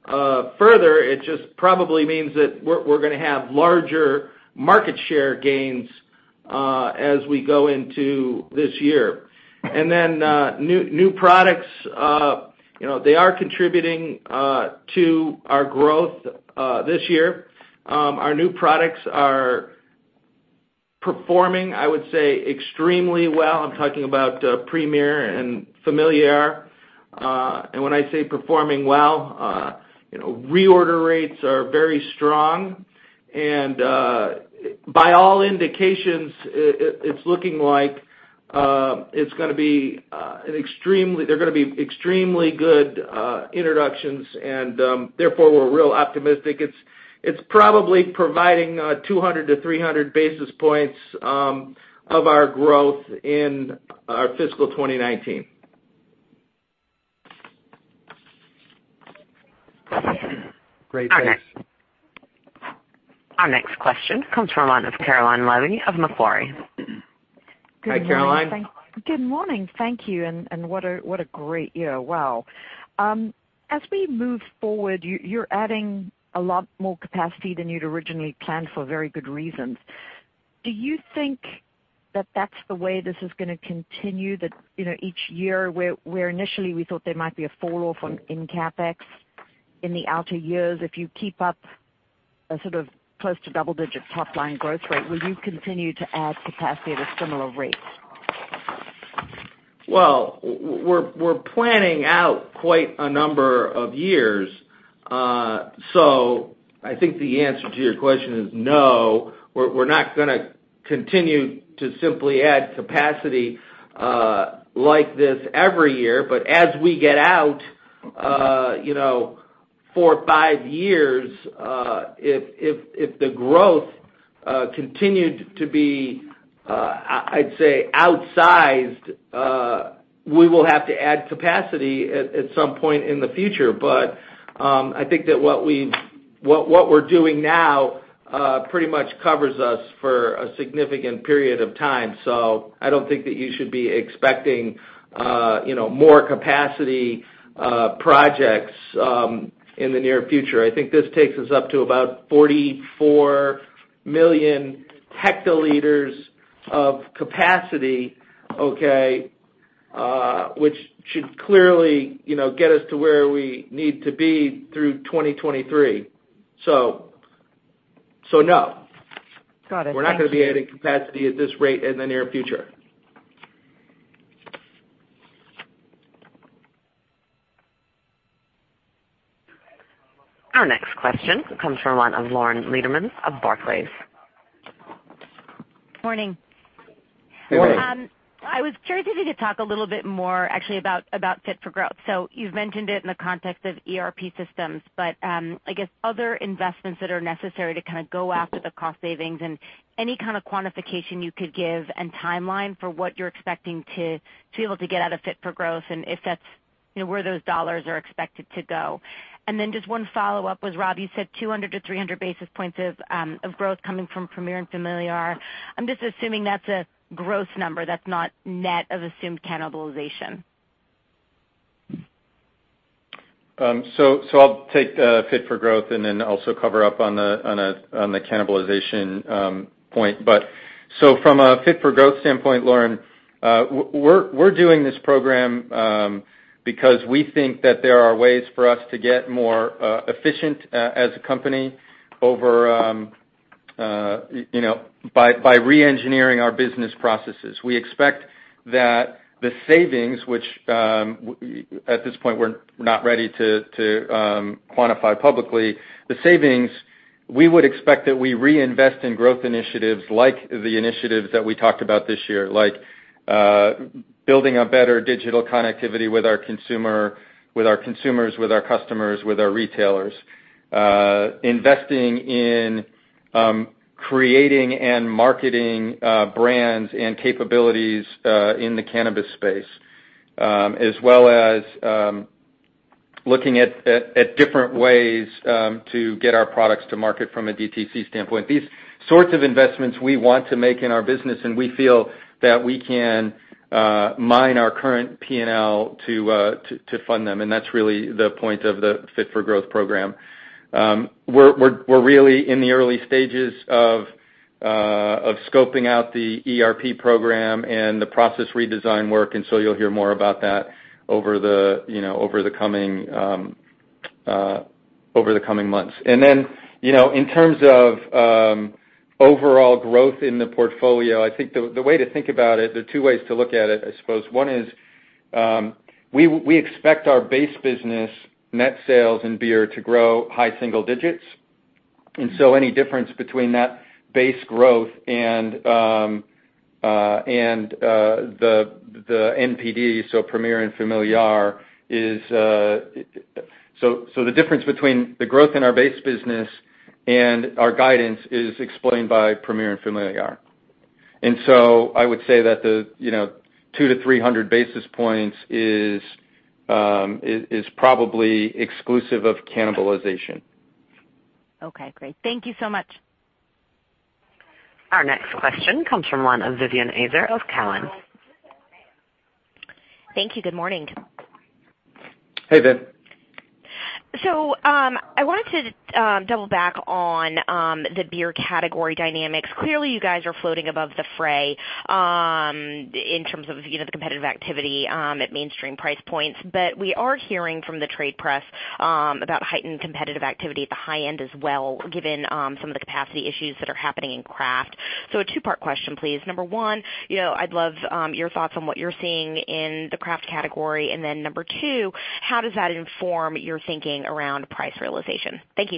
further, it just probably means that we're going to have larger market share gains as we go into this year. New products, they are contributing to our growth this year. Our new products are performing, I would say, extremely well. I'm talking about Premier and Familiar. When I say performing well, reorder rates are very strong. By all indications, it's looking like they're going to be extremely good introductions, and therefore, we're real optimistic. It's probably providing 200 to 300 basis points of our growth in our fiscal 2019. Great, thanks. Our next question comes from one of Caroline Levy of Macquarie. Hi, Caroline. Good morning. Thank you, and what a great year. Wow. As we move forward, you're adding a lot more capacity than you'd originally planned for very good reasons. Do you think that that's the way this is going to continue? That each year, where initially we thought there might be a fall-off in CapEx in the outer years, if you keep up a sort of close to double-digit top-line growth rate, will you continue to add capacity at a similar rate? Well, we're planning out quite a number of years. I think the answer to your question is no, we're not going to continue to simply add capacity like this every year. As we get out, four or five years, if the growth continued to be, I'd say, outsized, we will have to add capacity at some point in the future. I think that what we're doing now pretty much covers us for a significant period of time. I don't think that you should be expecting more capacity projects in the near future. I think this takes us up to about 44 million hectoliters of capacity, okay, which should clearly get us to where we need to be through 2023. No. Got it. Thank you. We're not going to be adding capacity at this rate in the near future. Our next question comes from one of Lauren Lieberman of Barclays. Morning. Morning. I was curious if you could talk a little bit more actually about Fit for Growth. You've mentioned it in the context of ERP systems, I guess other investments that are necessary to kind of go after the cost savings, and any kind of quantification you could give and timeline for what you're expecting to be able to get out of Fit for Growth, and if that's where those dollars are expected to go. Just one follow-up was, Rob, you said 200 to 300 basis points of growth coming from Premier and Familiar. I'm just assuming that's a growth number that's not net of assumed cannibalization. I'll take Fit for Growth and then also cover up on the cannibalization point. From a Fit for Growth standpoint, Lauren, we're doing this program because we think that there are ways for us to get more efficient as a company by re-engineering our business processes. We expect that the savings, which at this point we're not ready to quantify publicly, the savings, we would expect that we reinvest in growth initiatives like the initiatives that we talked about this year. Like building a better digital connectivity with our consumers, with our customers, with our retailers. Investing in creating and marketing brands and capabilities in the cannabis space. As well as looking at different ways to get our products to market from a DTC standpoint. These sorts of investments we want to make in our business. We feel that we can mine our current P&L to fund them. That's really the point of the Fit for Growth program. We're really in the early stages of scoping out the ERP program and the process redesign work. You'll hear more about that over the coming months. In terms of overall growth in the portfolio, I think the way to think about it, there are two ways to look at it, I suppose. One is, we expect our base business net sales and beer to grow high single digits. Any difference between that base growth and the NPD, so Premier and Familiar. The difference between the growth in our base business and our guidance is explained by Premier and Familiar. I would say that the 2 to 300 basis points is probably exclusive of cannibalization. Okay, great. Thank you so much. Our next question comes from line of Vivien Azer of Cowen. Thank you. Good morning. Hey, Viv. I wanted to double back on the beer category dynamics. Clearly, you guys are floating above the fray in terms of the competitive activity at mainstream price points. We are hearing from the trade press about heightened competitive activity at the high end as well, given some of the capacity issues that are happening in craft. A two-part question, please. Number one, I'd love your thoughts on what you're seeing in the craft category. Number two, how does that inform your thinking around price realization? Thank you.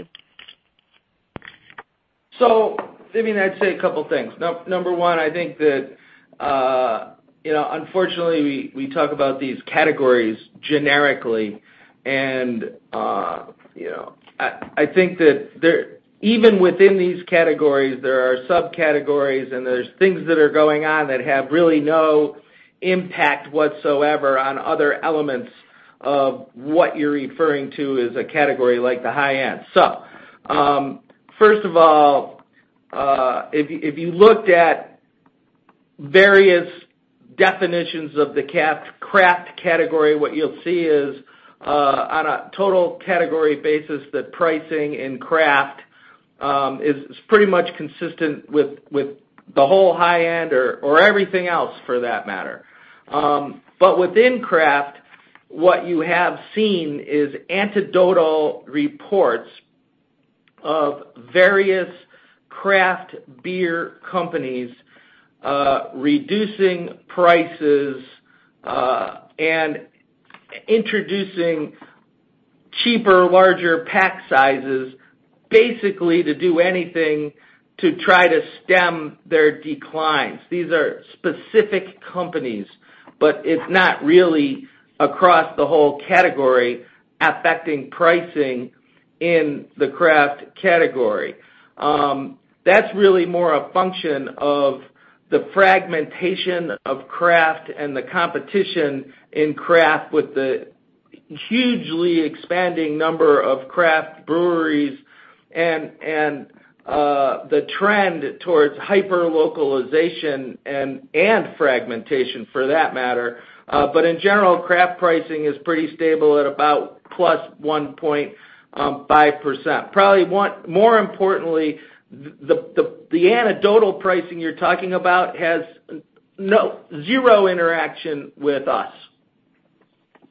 Vivien, I'd say a couple things. Number one, I think that, unfortunately, we talk about these categories generically. I think that even within these categories, there are subcategories and there's things that are going on that have really no impact whatsoever on other elements of what you're referring to as a category like the high end. First of all, if you looked at various definitions of the craft category, what you'll see is on a total category basis, that pricing in craft is pretty much consistent with the whole high end or everything else for that matter. Within craft, what you have seen is anecdotal reports of various craft beer companies reducing prices and introducing cheaper, larger pack sizes, basically to do anything to try to stem their declines. These are specific companies, it's not really across the whole category affecting pricing in the craft category. That's really more a function of the fragmentation of craft and the competition in craft with the hugely expanding number of craft breweries and the trend towards hyper-localization and fragmentation for that matter. In general, craft pricing is pretty stable at about plus 1.5%. Probably more importantly, the anecdotal pricing you're talking about has zero interaction with us.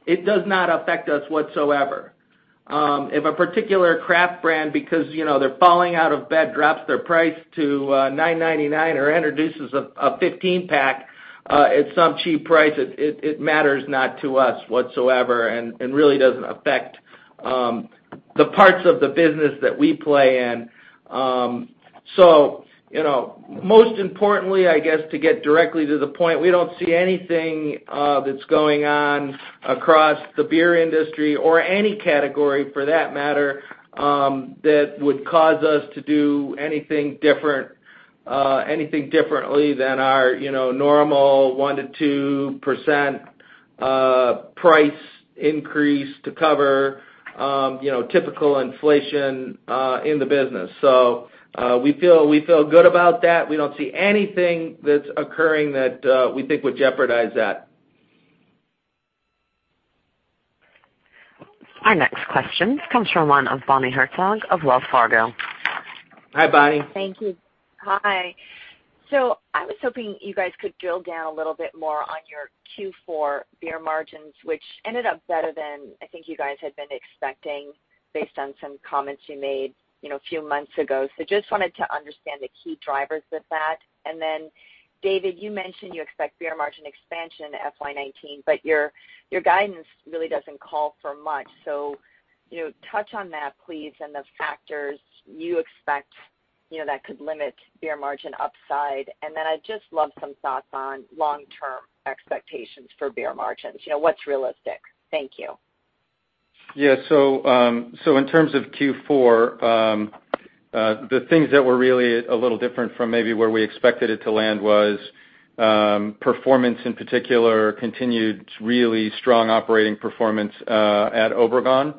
It does not affect us whatsoever. If a particular craft brand, because they're falling out of bed, drops their price to $9.99 or introduces a 15-pack at some cheap price, it matters not to us whatsoever and really doesn't affect the parts of the business that we play in. Most importantly, I guess to get directly to the point, we don't see anything that's going on across the beer industry or any category for that matter, that would cause us to do anything differently than our normal 1%-2% price increase to cover typical inflation in the business. We feel good about that. We don't see anything that's occurring that we think would jeopardize that. Our next question comes from line of Bonnie Herzog of Wells Fargo. Hi, Bonnie. Thank you. I was hoping you guys could drill down a little bit more on your Q4 beer margins, which ended up better than I think you guys had been expecting, based on some comments you made few months ago. Just wanted to understand the key drivers with that. David, you mentioned you expect beer margin expansion FY 2019, but your guidance really doesn't call for much. Touch on that, please, and the factors you expect that could limit beer margin upside. I'd just love some thoughts on long-term expectations for beer margins, what's realistic? Thank you. In terms of Q4, the things that were really a little different from maybe where we expected it to land was performance in particular, continued really strong operating performance at Obregon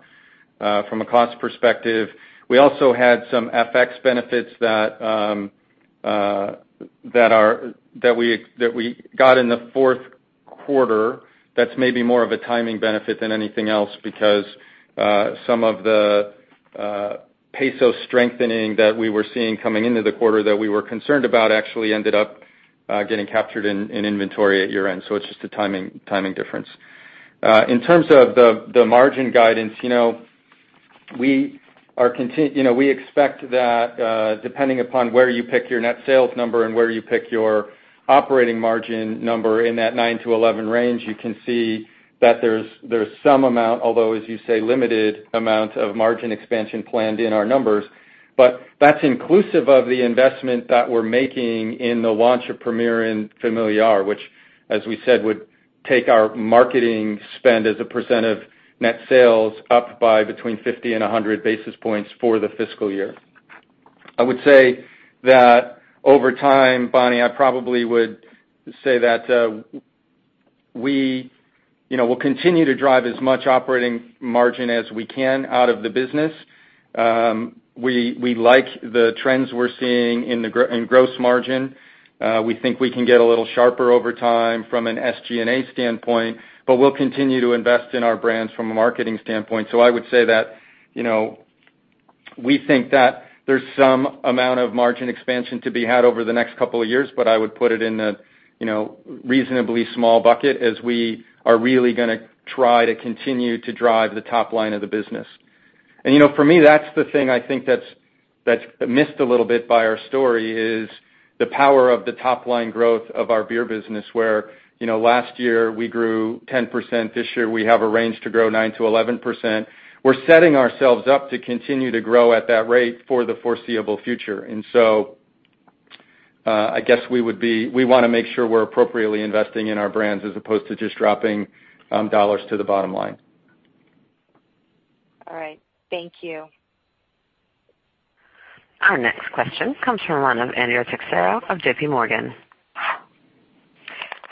from a cost perspective. We also had some FX benefits that we got in the fourth quarter. That's maybe more of a timing benefit than anything else because some of the peso strengthening that we were seeing coming into the quarter that we were concerned about actually ended up getting captured in inventory at year-end. It's just a timing difference. In terms of the margin guidance, we expect that depending upon where you pick your net sales number and where you pick your operating margin number in that 9-11 range, you can see that there's some amount, although as you say, limited amount of margin expansion planned in our numbers. That's inclusive of the investment that we're making in the launch of Premier and Familiar, which as we said, would take our marketing spend as a percent of net sales up by between 50 and 100 basis points for the fiscal year. I would say that over time, Bonnie, I probably would say that we'll continue to drive as much operating margin as we can out of the business. We like the trends we're seeing in gross margin. We think we can get a little sharper over time from an SG&A standpoint, but we'll continue to invest in our brands from a marketing standpoint. I would say that, we think that there's some amount of margin expansion to be had over the next couple of years, but I would put it in a reasonably small bucket as we are really going to try to continue to drive the top line of the business. For me, that's the thing I think that's missed a little bit by our story is the power of the top-line growth of our beer business, where last year we grew 10%, this year we have a range to grow 9%-11%. We're setting ourselves up to continue to grow at that rate for the foreseeable future. I guess we want to make sure we're appropriately investing in our brands as opposed to just dropping dollars to the bottom line. All right. Thank you. Our next question comes from the line of Andrea Teixeira of JP Morgan.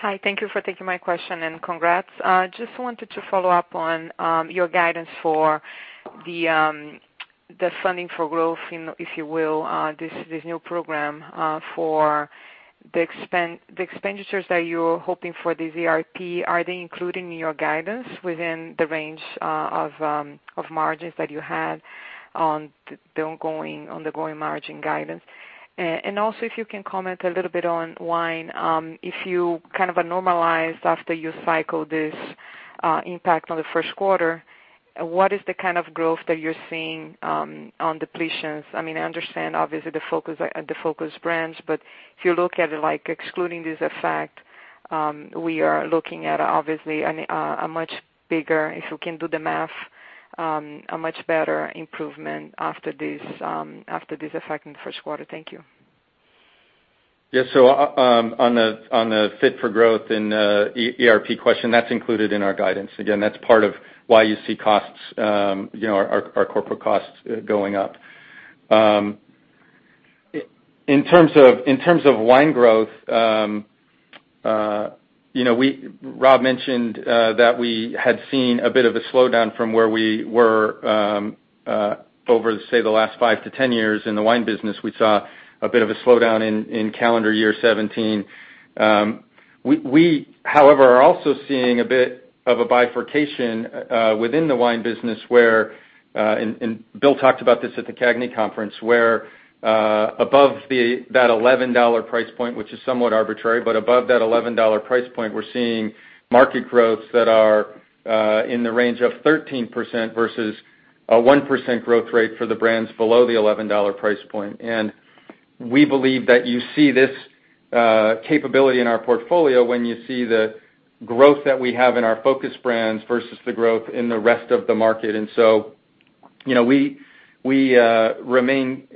Hi, thank you for taking my question and congrats. Just wanted to follow up on your guidance for the Fit for Growth in, if you will, this new program, for the expenditures that you're hoping for the ERP, are they included in your guidance within the range of margins that you had on the ongoing margin guidance? Also, if you can comment a little bit on wine. If you kind of normalize after you cycle this impact on the first quarter, what is the kind of growth that you're seeing on depletions? I understand, obviously, the focus brands, if you look at it, like excluding this effect, we are looking at, obviously, a much bigger, if you can do the math, a much better improvement after this effect in the first quarter. Thank you. Yeah. On the Fit for Growth and ERP question, that's included in our guidance. Again, that's part of why you see our corporate costs going up. In terms of wine growth, Rob mentioned that we had seen a bit of a slowdown from where we were, over, say, the last five to 10 years in the wine business. We saw a bit of a slowdown in calendar year 2017. We, however, are also seeing a bit of a bifurcation within the wine business where Bill talked about this at the CAGNY Conference, where above that $11 price point, which is somewhat arbitrary, above that $11 price point, we're seeing market growths that are in the range of 13% versus a 1% growth rate for the brands below the $11 price point. We believe that you see this capability in our portfolio when you see the growth that we have in our focus brands versus the growth in the rest of the market. We remain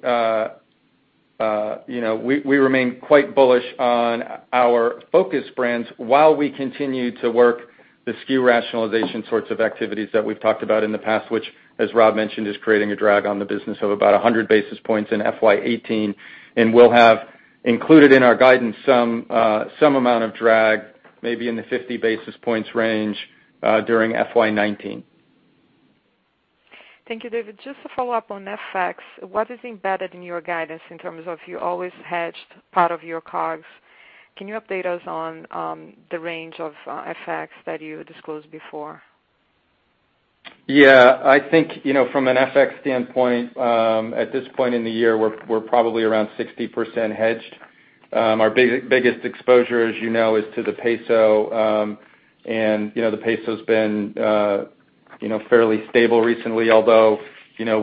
quite bullish on our focus brands while we continue to work the SKU rationalization sorts of activities that we've talked about in the past, which, as Rob mentioned, is creating a drag on the business of about 100 basis points in FY 2018. We'll have included in our guidance some amount of drag, maybe in the 50 basis points range, during FY 2019. Thank you, David. Just to follow up on FX, what is embedded in your guidance in terms of you always hedged part of your COGS? Can you update us on the range of FX that you disclosed before? Yeah, I think, from an FX standpoint, at this point in the year, we're probably around 60% hedged. Our biggest exposure, as you know, is to the peso. The peso's been fairly stable recently, although,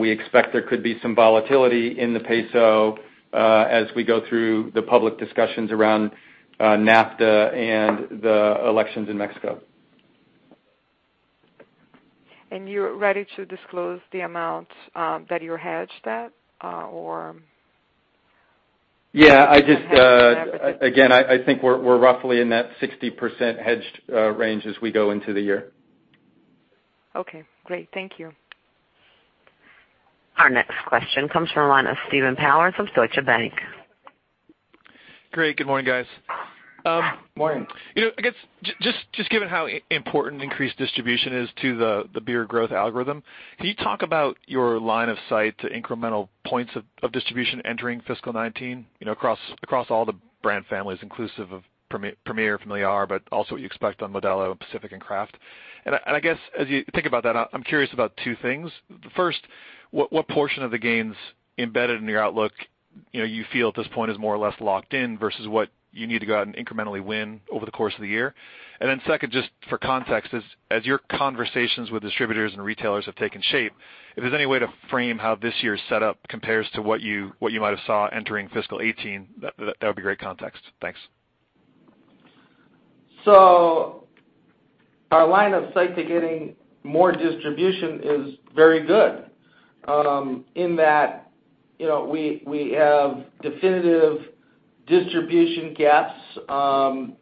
we expect there could be some volatility in the peso, as we go through the public discussions around NAFTA and the elections in Mexico. You're ready to disclose the amount, that you're hedged at? Yeah. Again, I think we're roughly in that 60% hedged range as we go into the year. Okay, great. Thank you. Our next question comes from the line of Stephen Powers from Deutsche Bank. Great. Good morning, guys. Morning. I guess, just given how important increased distribution is to the beer growth algorithm, can you talk about your line of sight to incremental points of distribution entering fiscal 2019, across all the brand families inclusive of Premier, Familiar, but also what you expect on Modelo, Pacifico, and Craft? I guess, as you think about that, I'm curious about two things. First, what portion of the gains embedded in your outlook, you feel at this point is more or less locked in versus what you need to go out and incrementally win over the course of the year? Second, just for context, as your conversations with distributors and retailers have taken shape, if there's any way to frame how this year's set up compares to what you might have saw entering fiscal 2018, that would be great context. Thanks. Our line of sight to getting more distribution is very good, in that we have definitive distribution gaps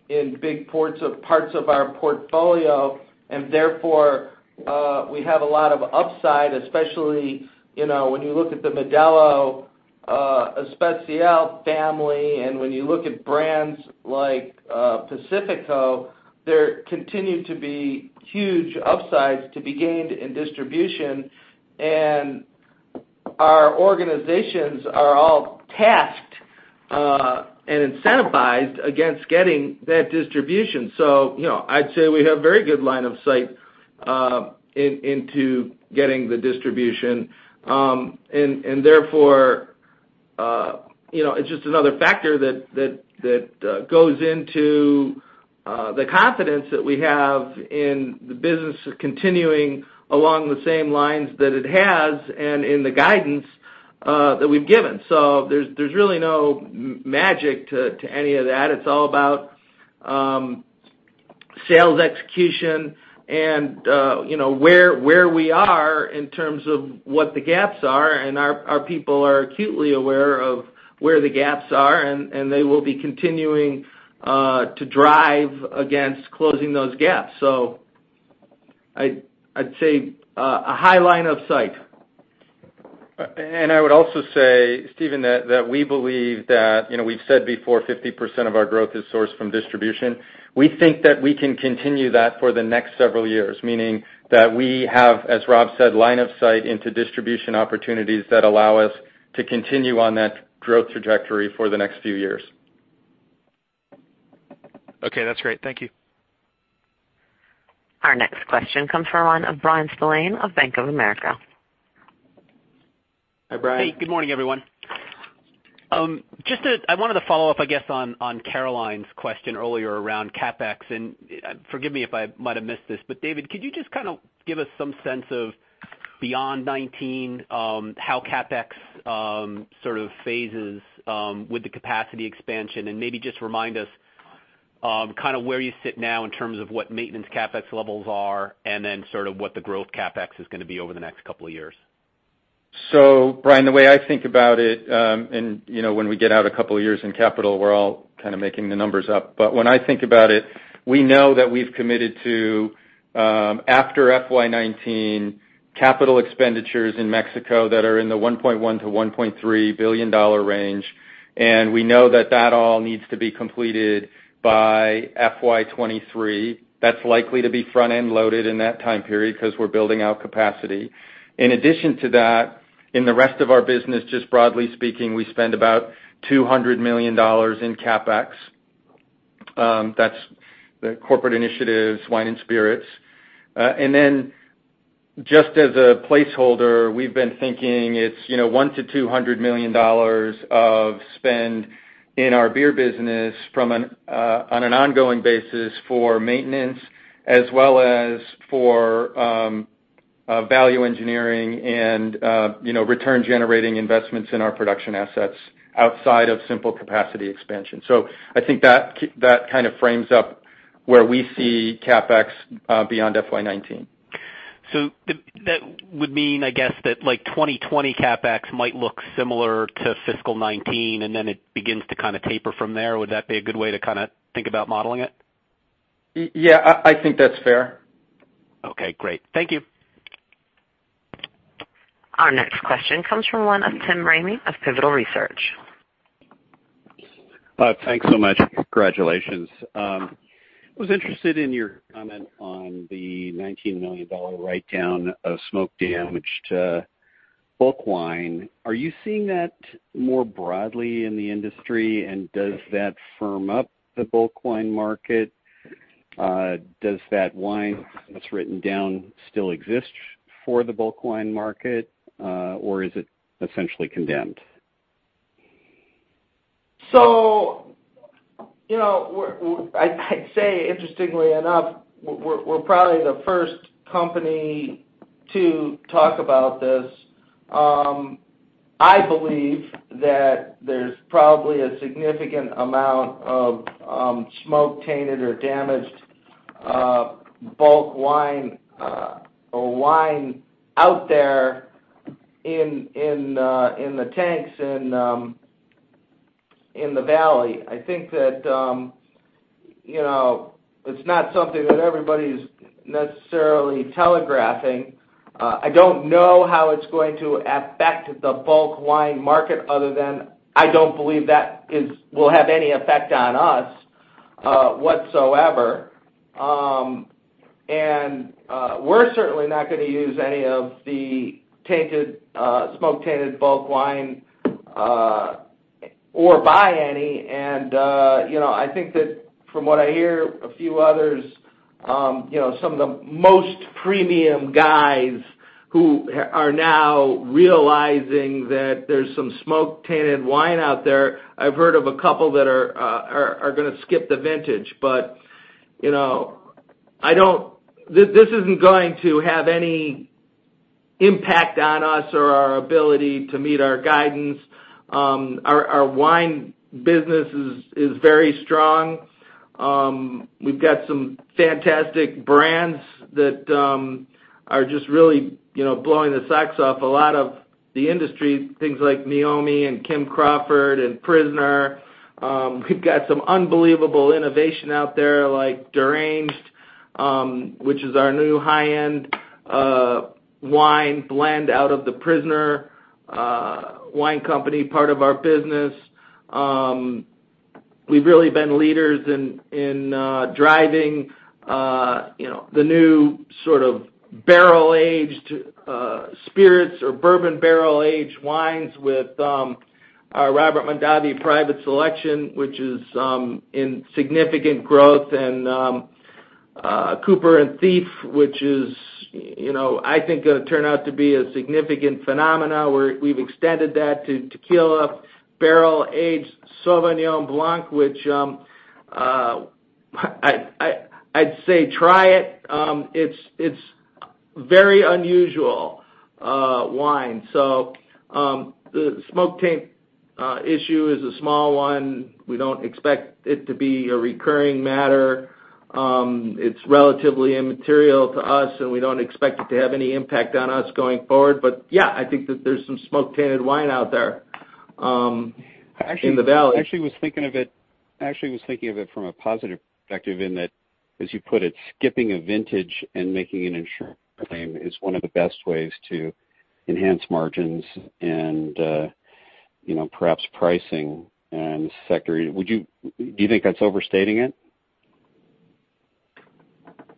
in big parts of our portfolio, and therefore, we have a lot of upside, especially when you look at the Modelo Especial family, and when you look at brands like Pacifico, there continue to be huge upsides to be gained in distribution. Our organizations are all tasked and incentivized against getting that distribution. I'd say we have very good line of sight into getting the distribution. Therefore, it's just another factor that goes into the confidence that we have in the business continuing along the same lines that it has and in the guidance that we've given. There's really no magic to any of that. It's all about sales execution and where we are in terms of what the gaps are, our people are acutely aware of where the gaps are, they will be continuing to drive against closing those gaps. I'd say a high line of sight. I would also say, Stephen that we believe that, we've said before 50% of our growth is sourced from distribution. We think that we can continue that for the next several years, meaning that we have, as Rob said, line of sight into distribution opportunities that allow us to continue on that growth trajectory for the next few years. Okay, that's great. Thank you. Our next question comes from the line of Bryan Spillane of Bank of America. Hi, Bryan. Hey, good morning, everyone. I wanted to follow up, I guess, on Caroline's question earlier around CapEx, and forgive me if I might have missed this, but David, could you just kind of give us some sense of beyond 2019, how CapEx sort of phases with the capacity expansion, and maybe just remind us kind of where you sit now in terms of what maintenance CapEx levels are, and then sort of what the growth CapEx is going to be over the next couple of years? Bryan, the way I think about it, when we get out a couple of years in capital, we're all kind of making the numbers up. When I think about it, we know that we've committed to, after FY 2019, capital expenditures in Mexico that are in the $1.1 billion-$1.3 billion range, we know that that all needs to be completed by FY 2023. That's likely to be front-end loaded in that time period because we're building out capacity. In addition to that, in the rest of our business, just broadly speaking, we spend about $200 million in CapEx. That's the corporate initiatives, wine and spirits. Just as a placeholder, we've been thinking it's $100 million-$200 million of spend in our beer business on an ongoing basis for maintenance as well as for value engineering and return-generating investments in our production assets outside of simple capacity expansion. I think that kind of frames up where we see CapEx beyond FY 2019. That would mean, I guess that 2020 CapEx might look similar to fiscal 2019, and then it begins to kind of taper from there. Would that be a good way to think about modeling it? Yeah, I think that's fair. Okay, great. Thank you. Our next question comes from the line of Tim Ramey of Pivotal Research. Thanks so much. Congratulations. I was interested in your comment on the $19 million write-down of smoke-damaged bulk wine. Are you seeing that more broadly in the industry? Does that firm up the bulk wine market? Does that wine that's written down still exist for the bulk wine market? Is it essentially condemned? I'd say interestingly enough, we're probably the first company to talk about this. I believe that there's probably a significant amount of smoke-tainted or damaged bulk wine or wine out there in the tanks in the valley. It's not something that everybody's necessarily telegraphing. I don't know how it's going to affect the bulk wine market other than I don't believe that will have any effect on us whatsoever. We're certainly not going to use any of the smoke-tainted bulk wine or buy any. From what I hear, a few others, some of the most premium guys who are now realizing that there's some smoke-tainted wine out there, I've heard of a couple that are going to skip the vintage. This isn't going to have any Impact on us or our ability to meet our guidance. Our wine business is very strong. We've got some fantastic brands that are just really blowing the socks off a lot of the industry, things like Meiomi and Kim Crawford, and The Prisoner. We've got some unbelievable innovation out there, like Derange, which is our new high-end wine blend out of The Prisoner Wine Company, part of our business. We've really been leaders in driving the new sort of barrel-aged spirits or bourbon barrel aged wines with our Robert Mondavi Private Selection, which is in significant growth, and Cooper & Thief, which is, I think, going to turn out to be a significant phenomena. We've extended that to tequila, barrel-aged Sauvignon Blanc, which I'd say try it. It's very unusual wine. The smoke taint issue is a small one. We don't expect it to be a recurring matter. It's relatively immaterial to us, and we don't expect it to have any impact on us going forward. I think that there's some smoke-tainted wine out there in the valley. I actually was thinking of it from a positive perspective in that, as you put it, skipping a vintage and making an insurance claim is one of the best ways to enhance margins and perhaps pricing in this sector. Do you think that's overstating it?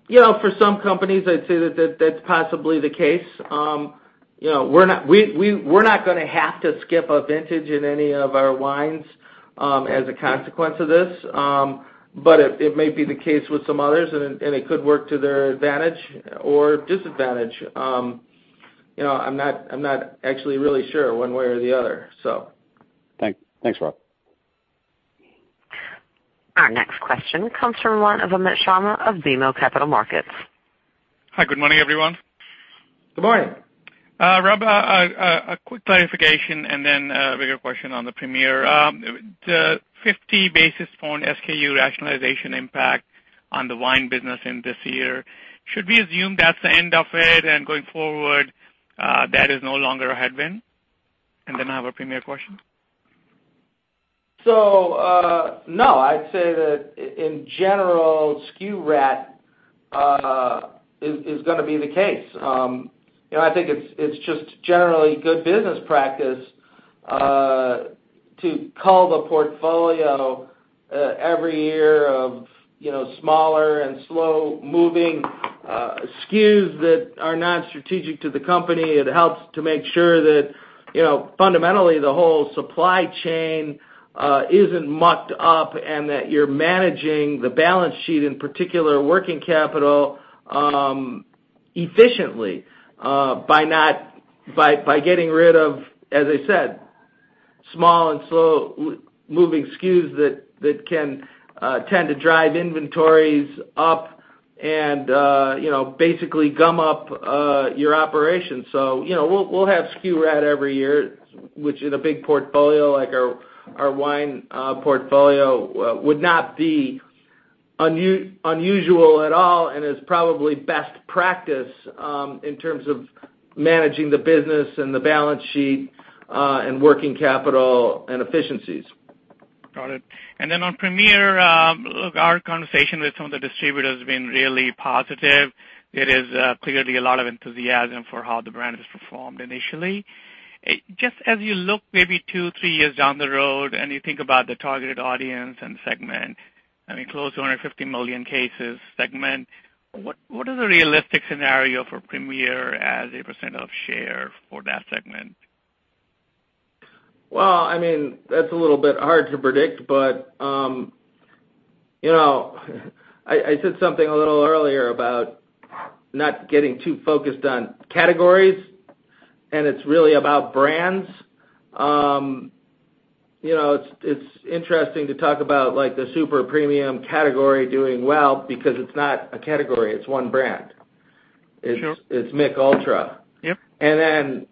For some companies, I'd say that's possibly the case. We're not going to have to skip a vintage in any of our wines as a consequence of this. It may be the case with some others, and it could work to their advantage or disadvantage. I'm not actually really sure one way or the other. Thanks, Rob. Our next question comes from line of Amit Sharma of BMO Capital Markets. Hi, good morning, everyone. Good morning. Rob, a quick clarification and then a bigger question on the Premier. The 50 basis point SKU rationalization impact on the wine business in this year, should we assume that is the end of it and going forward, that is no longer a headwind? I have a Premier question. No, I'd say that, in general, SKU RAT is gonna be the case. I think it's just generally good business practice to cull the portfolio every year of smaller and slow-moving SKUs that are not strategic to the company. It helps to make sure that fundamentally, the whole supply chain isn't mucked up and that you're managing the balance sheet, in particular, working capital efficiently by getting rid of, as I said, small and slow-moving SKUs that can tend to drive inventories up and basically gum up your operation. We'll have SKU RAT every year, which in a big portfolio like our wine portfolio, would not be unusual at all and is probably best practice in terms of managing the business and the balance sheet and working capital and efficiencies. Got it. On Premier, look, our conversation with some of the distributors has been really positive. There is clearly a lot of enthusiasm for how the brand has performed initially. Just as you look maybe two, three years down the road, and you think about the targeted audience and segment, I mean, close to 150 million cases segment, what is a realistic scenario for Premier as a percent of share for that segment? That's a little bit hard to predict, but I said something a little earlier about not getting too focused on categories, and it's really about brands. It's interesting to talk about the super premium category doing well because it's not a category, it's one brand. Sure. It's Mich Ultra. Yep.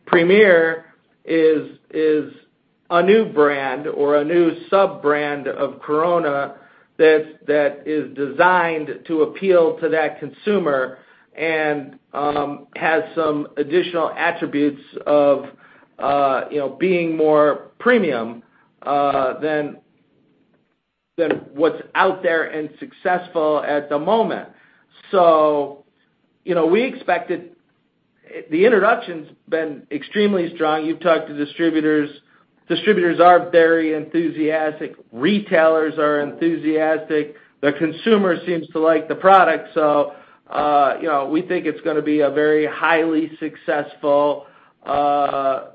Premier is a new brand or a new sub-brand of Corona that is designed to appeal to that consumer and has some additional attributes of being more premium than what's out there and successful at the moment. The introduction's been extremely strong. You've talked to distributors. Distributors are very enthusiastic. Retailers are enthusiastic. The consumer seems to like the product. We think it's gonna be a very highly successful SKU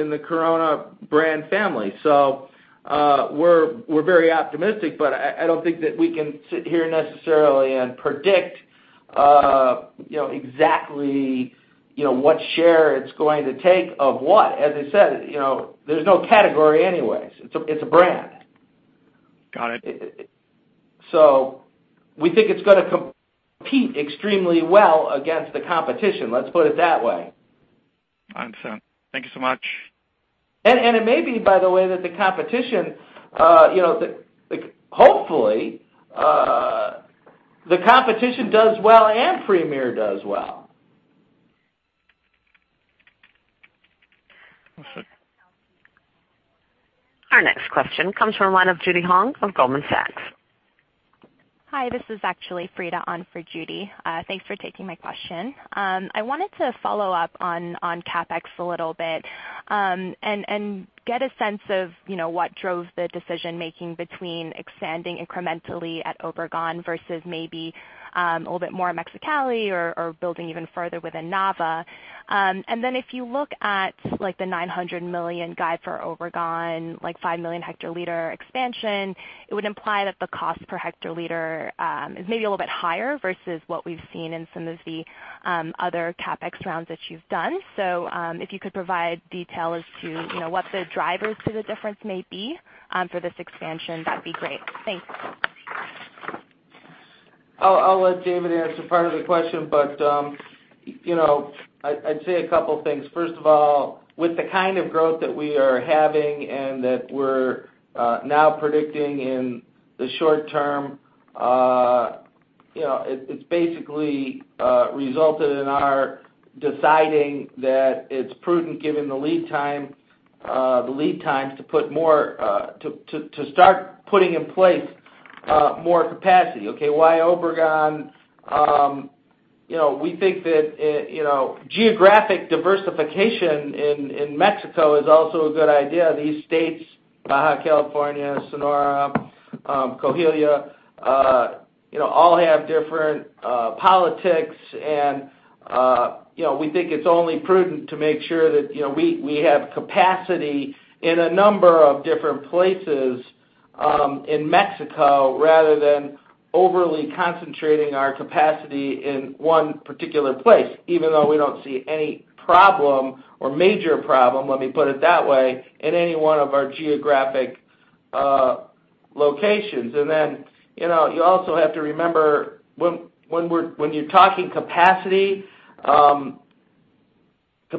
in the Corona brand family. We're very optimistic, I don't think that we can sit here necessarily and predict exactly what share it's going to take of what. As I said, there's no category anyways. It's a brand. Got it. We think it's going to compete extremely well against the competition, let's put it that way. Understand. Thank you so much. It may be, by the way, that hopefully, the competition does well and Premier does well. Awesome. Our next question comes from the line of Judy Hong of Goldman Sachs. Hi, this is actually Frida on for Judy. Thanks for taking my question. I wanted to follow up on CapEx a little bit, and get a sense of what drove the decision-making between expanding incrementally at Obregon versus maybe a little bit more Mexicali or building even further within Nava. If you look at the $900 million guide for Obregon, like 5 million hectoliter expansion, it would imply that the cost per hectoliter is maybe a little bit higher versus what we've seen in some of the other CapEx rounds that you've done. If you could provide detail as to what the drivers to the difference may be for this expansion, that'd be great. Thanks. I'll let David answer part of the question, but I'd say a couple things. First of all, with the kind of growth that we are having and that we're now predicting in the short term, it's basically resulted in our deciding that it's prudent, given the lead times, to start putting in place more capacity, okay? Why Obregon? We think that geographic diversification in Mexico is also a good idea. These states, Baja California, Sonora, Coahuila, all have different politics, and we think it's only prudent to make sure that we have capacity in a number of different places in Mexico, rather than overly concentrating our capacity in one particular place, even though we don't see any problem or major problem, let me put it that way, in any one of our geographic locations. You also have to remember when you're talking capacity, we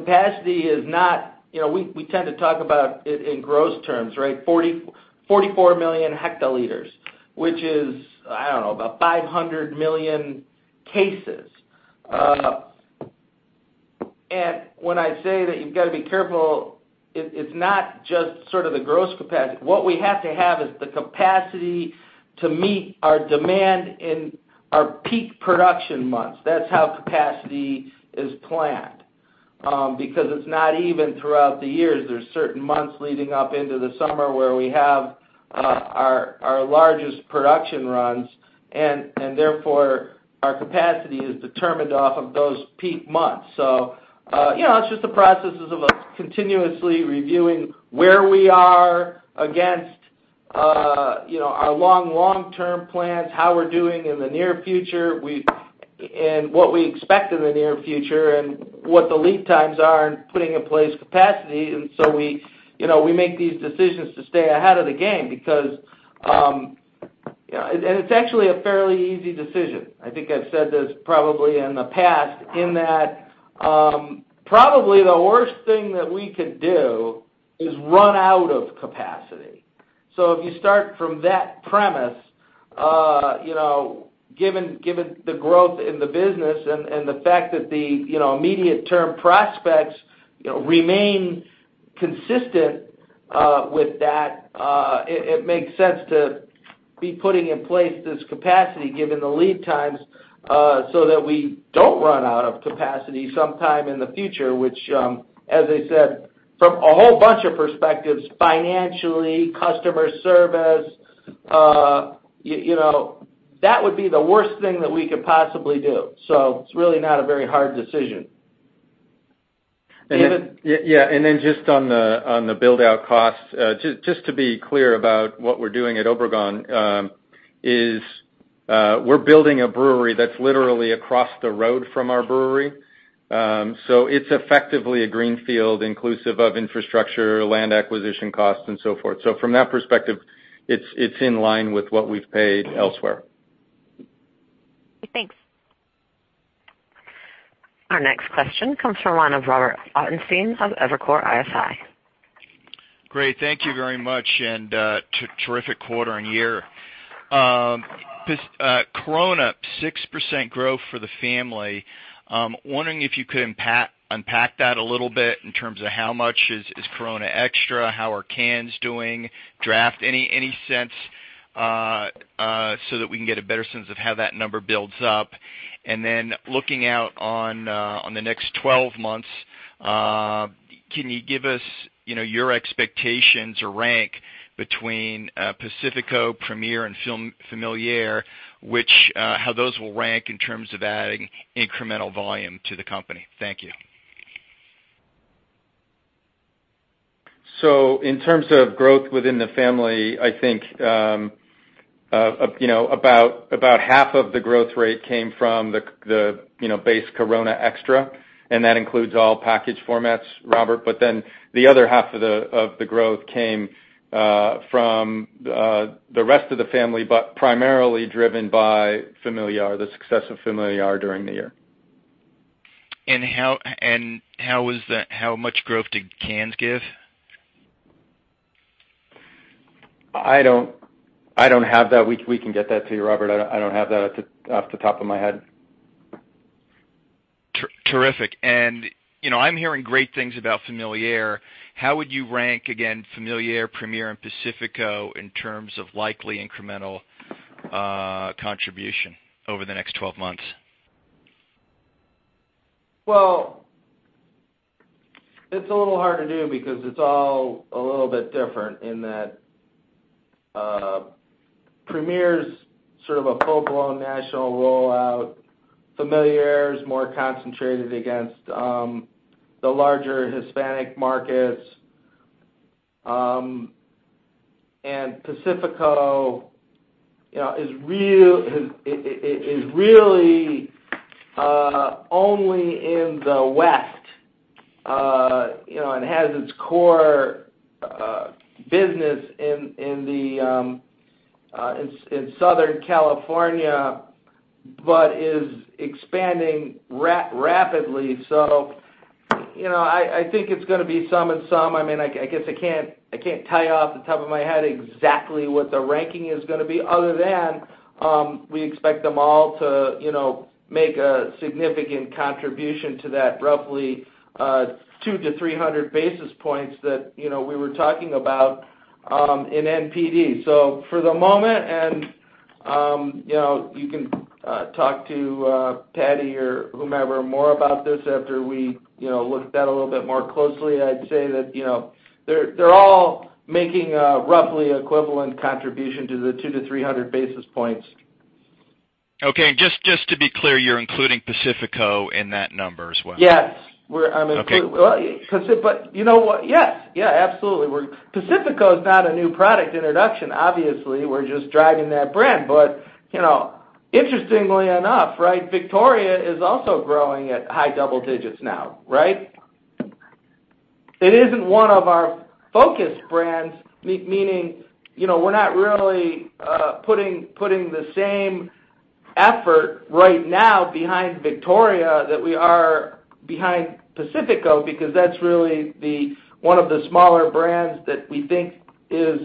tend to talk about it in gross terms, right? 44 million hectoliters, which is, I don't know, about 500 million cases. When I say that you've got to be careful, it's not just sort of the gross capacity. What we have to have is the capacity to meet our demand in our peak production months. That's how capacity is planned. Because it's not even throughout the years. There's certain months leading up into the summer where we have our largest production runs, and therefore, our capacity is determined off of those peak months. It's just the processes of us continuously reviewing where we are against our long, long-term plans, how we're doing in the near future, and what we expect in the near future, and what the lead times are in putting in place capacity. We make these decisions to stay ahead of the game. It's actually a fairly easy decision, I think I've said this probably in the past, in that probably the worst thing that we could do is run out of capacity. If you start from that premise, given the growth in the business and the fact that the immediate term prospects remain consistent with that, it makes sense to be putting in place this capacity given the lead times, so that we don't run out of capacity sometime in the future, which, as I said, from a whole bunch of perspectives, financially, customer service, that would be the worst thing that we could possibly do. It's really not a very hard decision. David? Just on the build-out costs, just to be clear about what we're doing at Obregon, is we're building a brewery that's literally across the road from our brewery. It's effectively a greenfield inclusive of infrastructure, land acquisition costs, and so forth. From that perspective, it's in line with what we've paid elsewhere. Thanks. Our next question comes from the line of Robert Ottenstein of Evercore ISI. Great. Thank you very much, and terrific quarter and year. Corona, 6% growth for the family. Wondering if you could unpack that a little bit in terms of how much is Corona Extra, how are cans doing, draft, any sense, so that we can get a better sense of how that number builds up. Then looking out on the next 12 months, can you give us your expectations or rank between Pacifico, Premier, and Familiar, how those will rank in terms of adding incremental volume to the company? Thank you. In terms of growth within the family, about half of the growth rate came from the base Corona Extra, and that includes all package formats, Robert. The other half of the growth came from the rest of the family, but primarily driven by Familiar, the success of Familiar during the year. How much growth did cans give? I don't have that. We can get that to you, Robert. I don't have that off the top of my head. Terrific. I'm hearing great things about Familiar. How would you rank, again, Familiar, Premier, and Pacifico in terms of likely incremental contribution over the next 12 months? It's a little hard to do because it's all a little bit different in that Premier's sort of a full-blown national rollout. Familiar is more concentrated against the larger Hispanic markets. Pacifico is really only in the West, and has its core business in Southern California, but is expanding rapidly. I think it's going to be some and some. I guess I can't tell you off the top of my head exactly what the ranking is going to be, other than we expect them all to make a significant contribution to that roughly 2-300 basis points that we were talking about in NPD. For the moment, and you can talk to Patty or whomever more about this after we look at that a little bit more closely. I'd say that they're all making a roughly equivalent contribution to the 2-300 basis points. Just to be clear, you're including Pacifico in that number as well? Yes. Okay. Yes. Absolutely. Pacifico is not a new product introduction, obviously. We're just driving that brand. Interestingly enough, Victoria is also growing at high double digits now, right? It isn't one of our focus brands, meaning we're not really putting the same effort right now behind Victoria that we are behind Pacifico, because that's really one of the smaller brands that we think is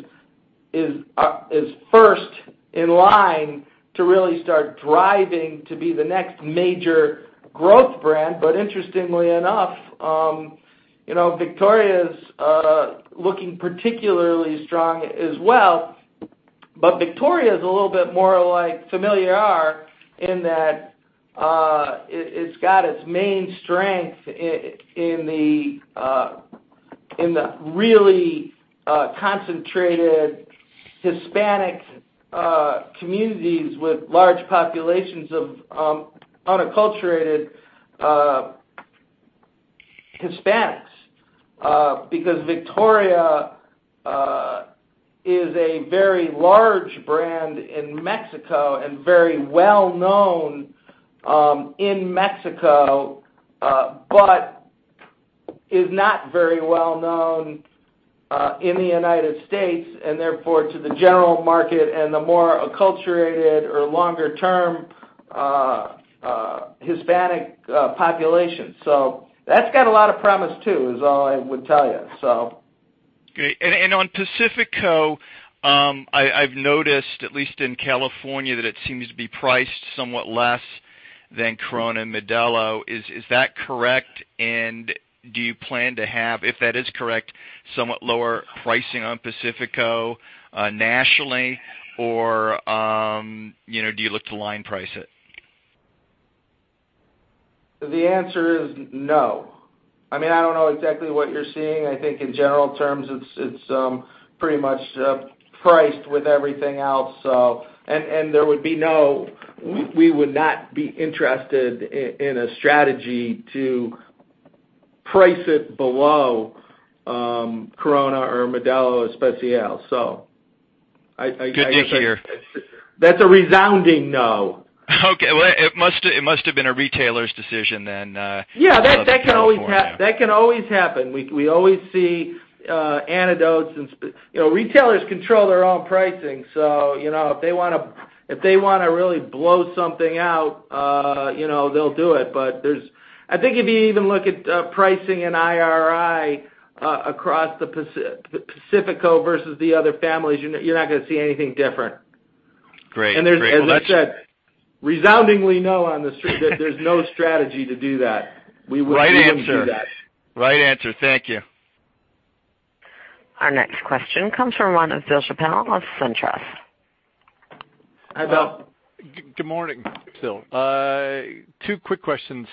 first in line to really start driving to be the next major growth brand. Interestingly enough, Victoria's looking particularly strong as well. Victoria's a little bit more like Familiar in that it's got its main strength in the really concentrated Hispanic communities with large populations of unacculturated Hispanics. Because Victoria is a very large brand in Mexico and very well known in Mexico. Is not very well known in the U.S., and therefore, to the general market and the more acculturated or longer-term Hispanic population. That's got a lot of promise, too, is all I would tell you. Great. On Pacifico, I've noticed at least in California, that it seems to be priced somewhat less than Corona Modelo. Is that correct? Do you plan to have, if that is correct, somewhat lower pricing on Pacifico nationally, or do you look to line price it? The answer is no. I don't know exactly what you're seeing. I think in general terms, it's pretty much priced with everything else. We would not be interested in a strategy to price it below Corona or Modelo Especial. Good to hear That's a resounding no. Okay, well, it must have been a retailer's decision then. Yeah, that can always happen. We always see anecdotes, retailers control their own pricing. If they want to really blow something out, they'll do it. I think if you even look at pricing and IRI across the Pacifico versus the other families, you're not going to see anything different. Great. As I said, resoundingly no on the street, that there's no strategy to do that. We wouldn't do that. Right answer. Thank you. Our next question comes from one of Bill Chappell of SunTrust. Hi, Bill. Good morning, Bill. Two quick questions.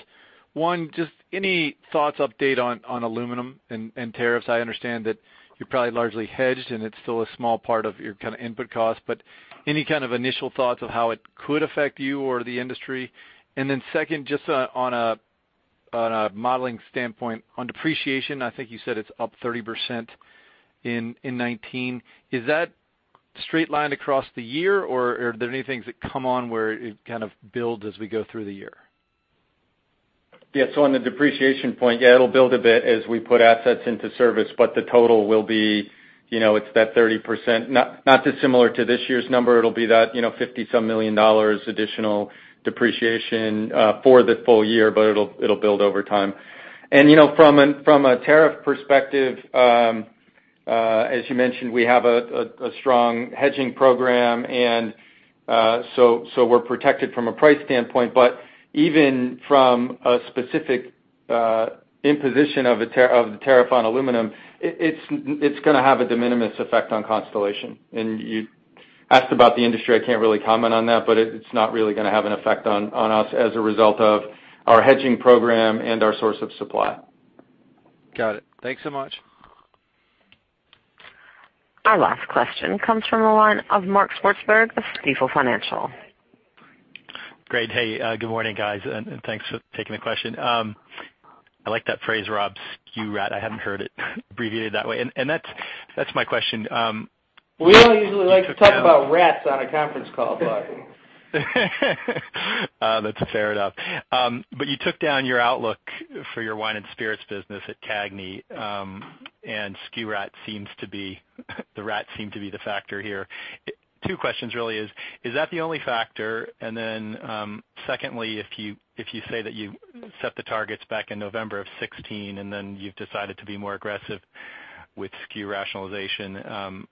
One, just any thoughts, update on aluminum and tariffs? I understand that you're probably largely hedged, and it's still a small part of your input cost, but any kind of initial thoughts of how it could affect you or the industry? Second, just on a modeling standpoint, on depreciation, I think you said it's up 30% in 2019. Is that straight line across the year, or are there any things that come on where it kind of builds as we go through the year? On the depreciation point, it'll build a bit as we put assets into service, but the total will be, it's that 30%, not too similar to this year's number. It'll be that $50-some million additional depreciation for the full year, but it'll build over time. From a tariff perspective, as you mentioned, we have a strong hedging program, we're protected from a price standpoint, but even from a specific imposition of the tariff on aluminum, it's going to have a de minimis effect on Constellation. You asked about the industry, I can't really comment on that, but it's not really going to have an effect on us as a result of our hedging program and our source of supply. Got it. Thanks so much. Our last question comes from the line of Mark Swartzberg of Stifel Financial. Great. Hey, good morning, guys. Thanks for taking the question. I like that phrase, Rob, SKU RAT. I haven't heard it abbreviated that way. That's my question. We don't usually like to talk about rats on a conference call. That's fair enough. You took down your outlook for your wine and spirits business at CAGNY, and SKU RAT seems to be, the RAT seems to be the factor here. Two questions really: is that the only factor? Secondly, if you say that you set the targets back in November of 2016 and then you've decided to be more aggressive with SKU rationalization,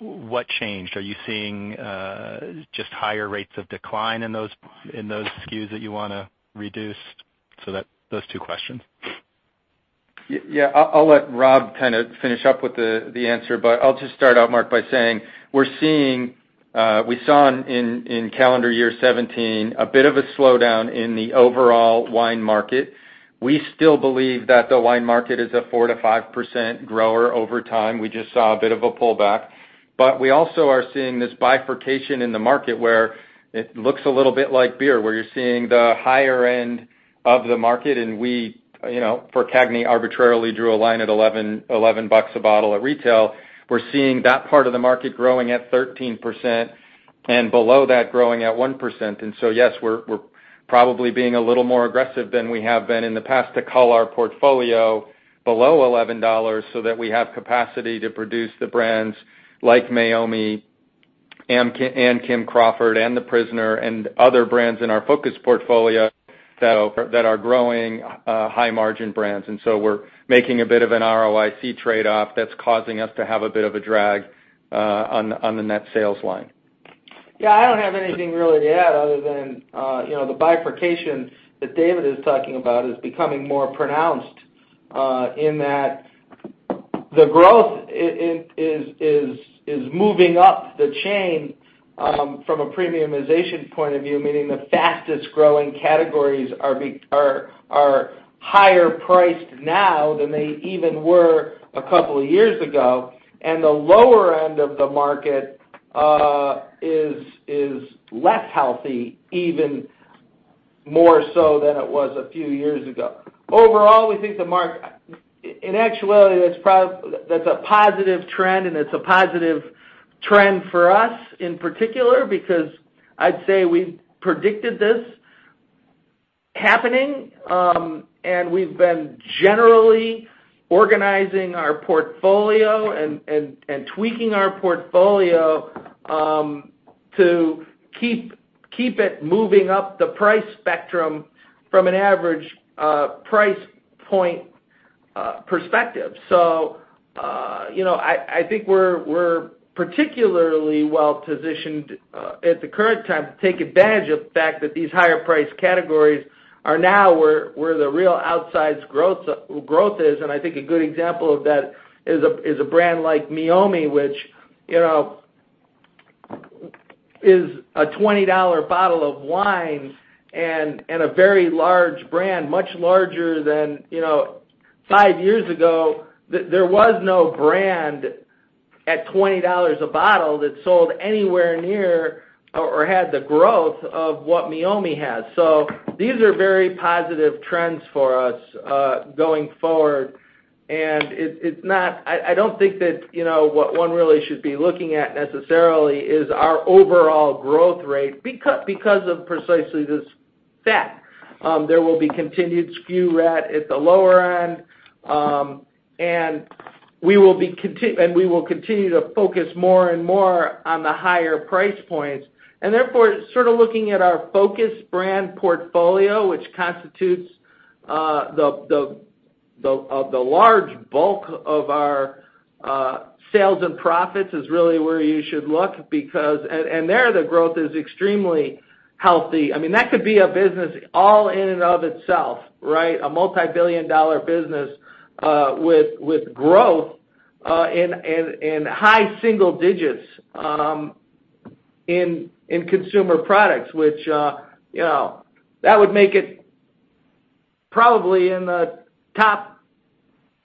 what changed? Are you seeing just higher rates of decline in those SKUs that you want to reduce? Those two questions. Yeah. I'll let Rob kind of finish up with the answer, but I'll just start out, Mark, by saying, we saw in calendar year 2017, a bit of a slowdown in the overall wine market. We still believe that the wine market is a 4%-5% grower over time. We just saw a bit of a pullback. We also are seeing this bifurcation in the market where it looks a little bit like beer, where you're seeing the higher end of the market, and we, for CAGNY, arbitrarily drew a line at $11 a bottle at retail. We're seeing that part of the market growing at 13% and below that growing at 1%. Yes, we're probably being a little more aggressive than we have been in the past to cull our portfolio below $11 so that we have capacity to produce the brands like Meiomi and Kim Crawford and The Prisoner and other brands in our focus portfolio that are growing high margin brands. We're making a bit of an ROIC trade-off that's causing us to have a bit of a drag on the net sales line. Yeah, I don't have anything really to add other than the bifurcation that David is talking about is becoming more pronounced, in that the growth is moving up the chain, from a premiumization point of view, meaning the fastest-growing categories are higher priced now than they even were a couple of years ago, and the lower end of the market is less healthy, even more so than it was a few years ago. Overall, we think the market, in actuality, that's a positive trend, it's a positive trend for us in particular, because I'd say we predicted this happening, and we've been generally organizing our portfolio and tweaking our portfolio to keep it moving up the price spectrum from an average price point perspective. I think we're particularly well-positioned at the current time to take advantage of the fact that these higher price categories are now where the real outsized growth is, and I think a good example of that is a brand like Meiomi, which is a $20 bottle of wine and a very large brand, much larger than five years ago. There was no brand at $20 a bottle that sold anywhere near or had the growth of what Meiomi has. These are very positive trends for us, going forward. I don't think that what one really should be looking at necessarily is our overall growth rate because of precisely this fact. There will be continued SKU RAT at the lower end, and we will continue to focus more and more on the higher price points. Therefore, sort of looking at our focused brand portfolio, which constitutes the large bulk of our sales and profits, is really where you should look. There, the growth is extremely healthy. That could be a business all in and of itself, right? A multibillion-dollar business with growth in high single digits in consumer products, which that would make it probably in the top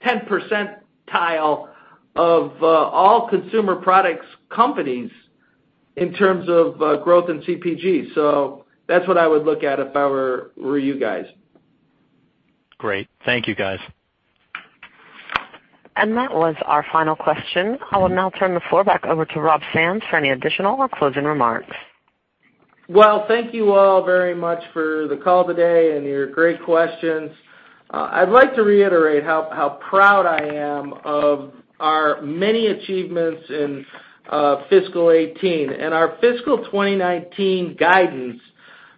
10 percentile of all consumer products companies in terms of growth in CPG. That's what I would look at if I were you guys. Great. Thank you, guys. That was our final question. I will now turn the floor back over to Rob Sands for any additional or closing remarks. Well, thank you all very much for the call today and your great questions. I'd like to reiterate how proud I am of our many achievements in fiscal 2018. Our fiscal 2019 guidance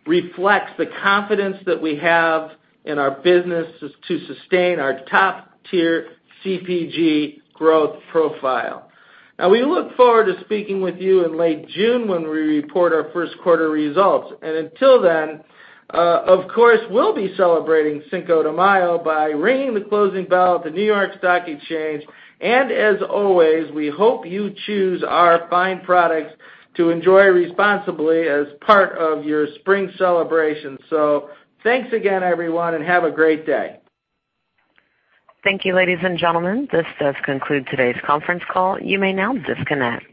reflects the confidence that we have in our business to sustain our top-tier CPG growth profile. We look forward to speaking with you in late June when we report our first quarter results. Until then, of course, we'll be celebrating Cinco de Mayo by ringing the closing bell at the New York Stock Exchange. As always, we hope you choose our fine products to enjoy responsibly as part of your spring celebration. Thanks again, everyone, and have a great day. Thank you, ladies and gentlemen. This does conclude today's conference call. You may now disconnect.